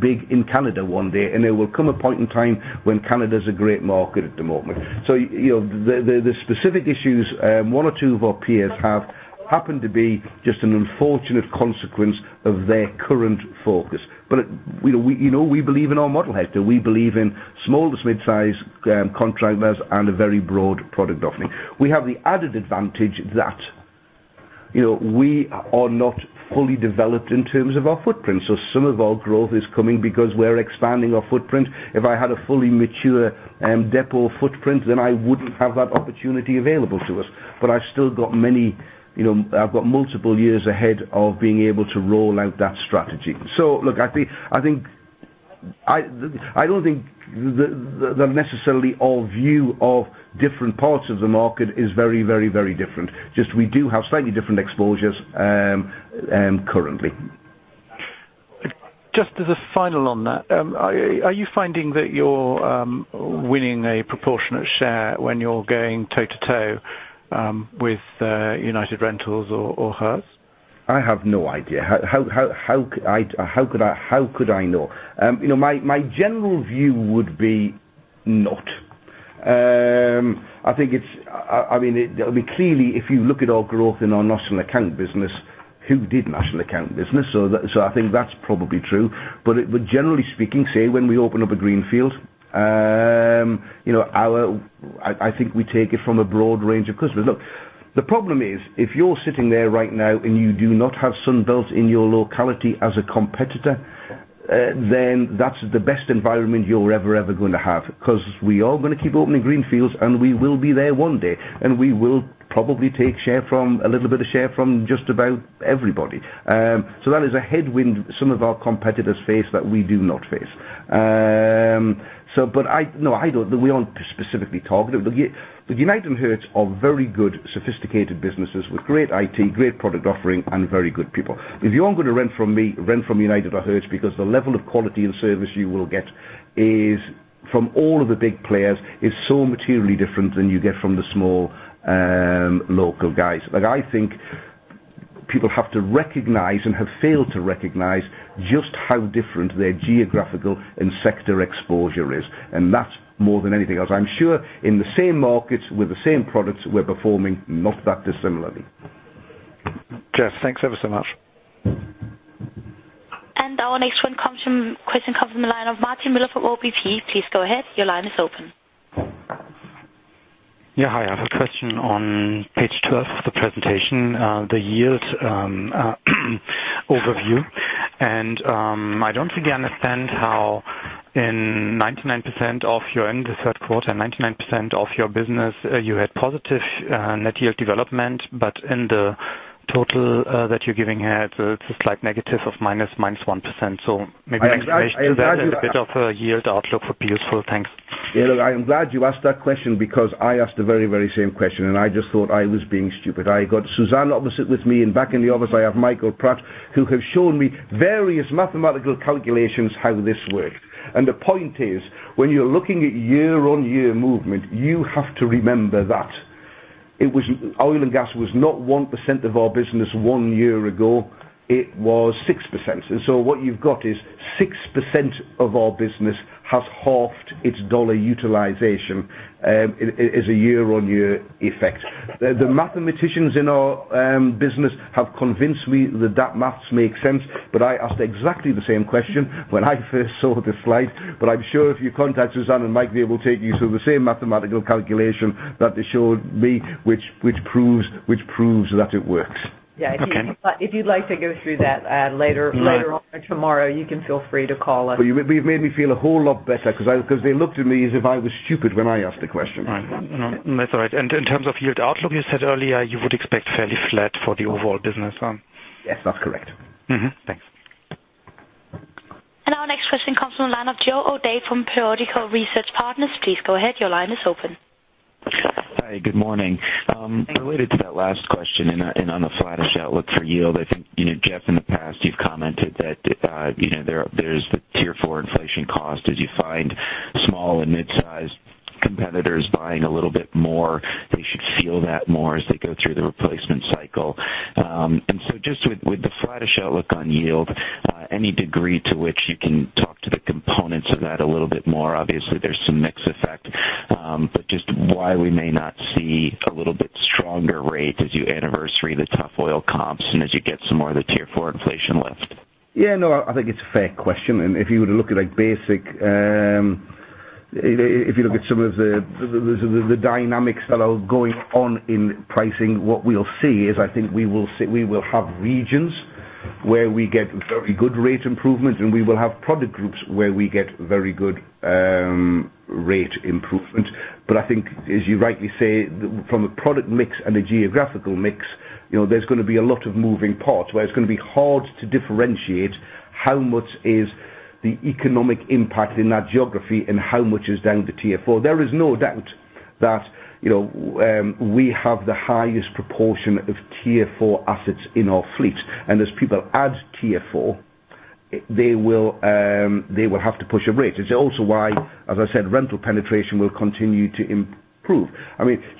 big in Canada one day, there will come a point in time when Canada is a great market at the moment. The specific issues one or two of our peers have happened to be just an unfortunate consequence of their current focus. We believe in our model, Hector. We believe in small to mid-size contractors and a very broad product offering. We have the added advantage that We are not fully developed in terms of our footprint. Some of our growth is coming because we're expanding our footprint. If I had a fully mature depot footprint, I wouldn't have that opportunity available to us. I've got multiple years ahead of being able to roll out that strategy. Look, I don't think that necessarily our view of different parts of the market is very different. Just we do have slightly different exposures currently. Just as a final on that. Are you finding that you're winning a proportionate share when you're going toe-to-toe with United Rentals or Herc? I have no idea. How could I know? My general view would be not. If you look at our growth in our national account business, who did national account business, so I think that's probably true. Generally speaking, say when we open up a greenfield, I think we take it from a broad range of customers. The problem is, if you're sitting there right now and you do not have Sunbelt in your locality as a competitor, then that's the best environment you're ever going to have. We are going to keep opening greenfields, and we will be there one day, and we will probably take a little bit of share from just about everybody. That is a headwind some of our competitors face that we do not face. We aren't specifically targeted. United and Hertz are very good, sophisticated businesses with great IT, great product offering, and very good people. If you're going to rent from me, rent from United or Hertz, because the level of quality and service you will get from all of the big players is so materially different than you get from the small local guys. I think people have to recognize and have failed to recognize just how different their geographical and sector exposure is, and that more than anything else. I'm sure in the same markets with the same products, we're performing not that dissimilarly. Geoff, thanks ever so much. Our next question comes from the line of Martin Miller from OBP. Please go ahead. Your line is open. Yeah. Hi. I have a question on page 12 of the presentation, the yield overview. I don't really understand how in the third quarter, 99% of your business you had positive net yield development, but in the total that you're giving here, it's a slight negative of -1%. Maybe an explanation to that and a bit of a yield outlook would be useful. Thanks. I am glad you asked that question because I asked the very same question, I just thought I was being stupid. I got Suzanne opposite with me, back in the office I have Michael Pratt, who have shown me various mathematical calculations how this works. The point is, when you're looking at year-on-year movement, you have to remember that oil and gas was not 1% of our business one year ago, it was 6%. What you've got is 6% of our business has halved its dollar utilization as a year-on-year effect. The mathematicians in our business have convinced me that maths makes sense, I asked exactly the same question when I first saw the slide. I'm sure if you contact Suzanne and Mike, they will take you through the same mathematical calculation that they showed me, which proves that it works. Okay. If you'd like to go through that later on or tomorrow, you can feel free to call us. You've made me feel a whole lot better because they looked at me as if I was stupid when I asked the question. No. That's all right. In terms of yield outlook, you said earlier you would expect fairly flat for the overall business. Yes, that's correct. Mm-hmm. Thanks. Our next question comes from the line of Joe O'Dea from Vertical Research Partners. Please go ahead. Your line is open. Hi. Good morning. Hi. Related to that last question and on the flattish outlook for yield. I think Geoff, in the past you've commented that there's the Tier 4 inflation cost as you find small and mid-sized competitors buying a little bit more. They should feel that more as they go through the replacement cycle. Just with the flattish outlook on yield, any degree to which you can talk to the components of that a little bit more. Obviously, there's some mix effect. Just why we may not see a little bit stronger rate as you anniversary the tough oil comps and as you get some more of the Tier 4 inflation lift. Yeah. No, I think it's a fair question. If you were to look at some of the dynamics that are going on in pricing, what we'll see is I think we will have regions where we get very good rate improvement, and we will have product groups where we get very good rate improvement. I think as you rightly say, from a product mix and a geographical mix, there's going to be a lot of moving parts where it's going to be hard to differentiate how much is the economic impact in that geography and how much is down to Tier 4. There is no doubt that we have the highest proportion of Tier 4 assets in our fleet. As people add Tier 4, they will have to push a rate. It's also why, as I said, rental penetration will continue to improve.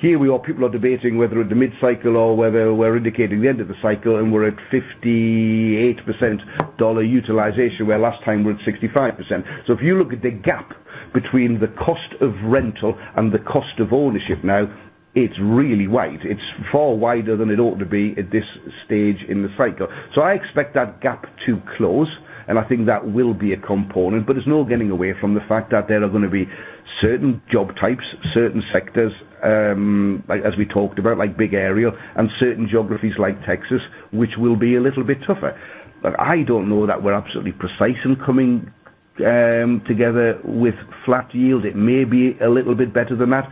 Here people are debating whether we're at the mid-cycle or whether we're indicating the end of the cycle, and we're at 58% dollar utilization, where last time we were at 65%. If you look at the gap between the cost of rental and the cost of ownership now, it's really wide. It's far wider than it ought to be at this stage in the cycle. I expect that gap to close, and I think that will be a component. There's no getting away from the fact that there are going to be certain job types, certain sectors, as we talked about, like big aerial and certain geographies like Texas, which will be a little bit tougher. I don't know that we're absolutely precise in coming together with flat yield. It may be a little bit better than that,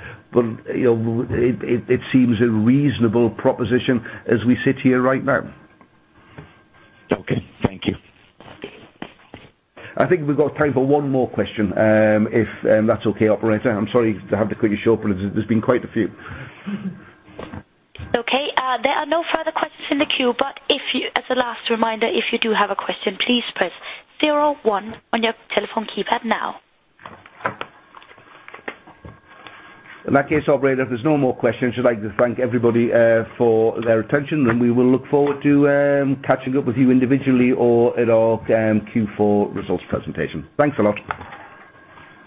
it seems a reasonable proposition as we sit here right now. Okay. Thank you. I think we've got time for one more question. If that's okay, operator. I'm sorry to have to cut you short, there's been quite a few. Okay. There are no further questions in the queue. As a last reminder, if you do have a question, please press zero one on your telephone keypad now. In that case, operator, if there's no more questions, I'd like to thank everybody for their attention, and we will look forward to catching up with you individually or at our Q4 results presentation. Thanks a lot.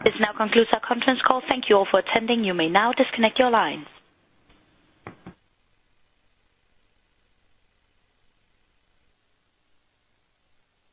This now concludes our conference call. Thank you all for attending. You may now disconnect your lines.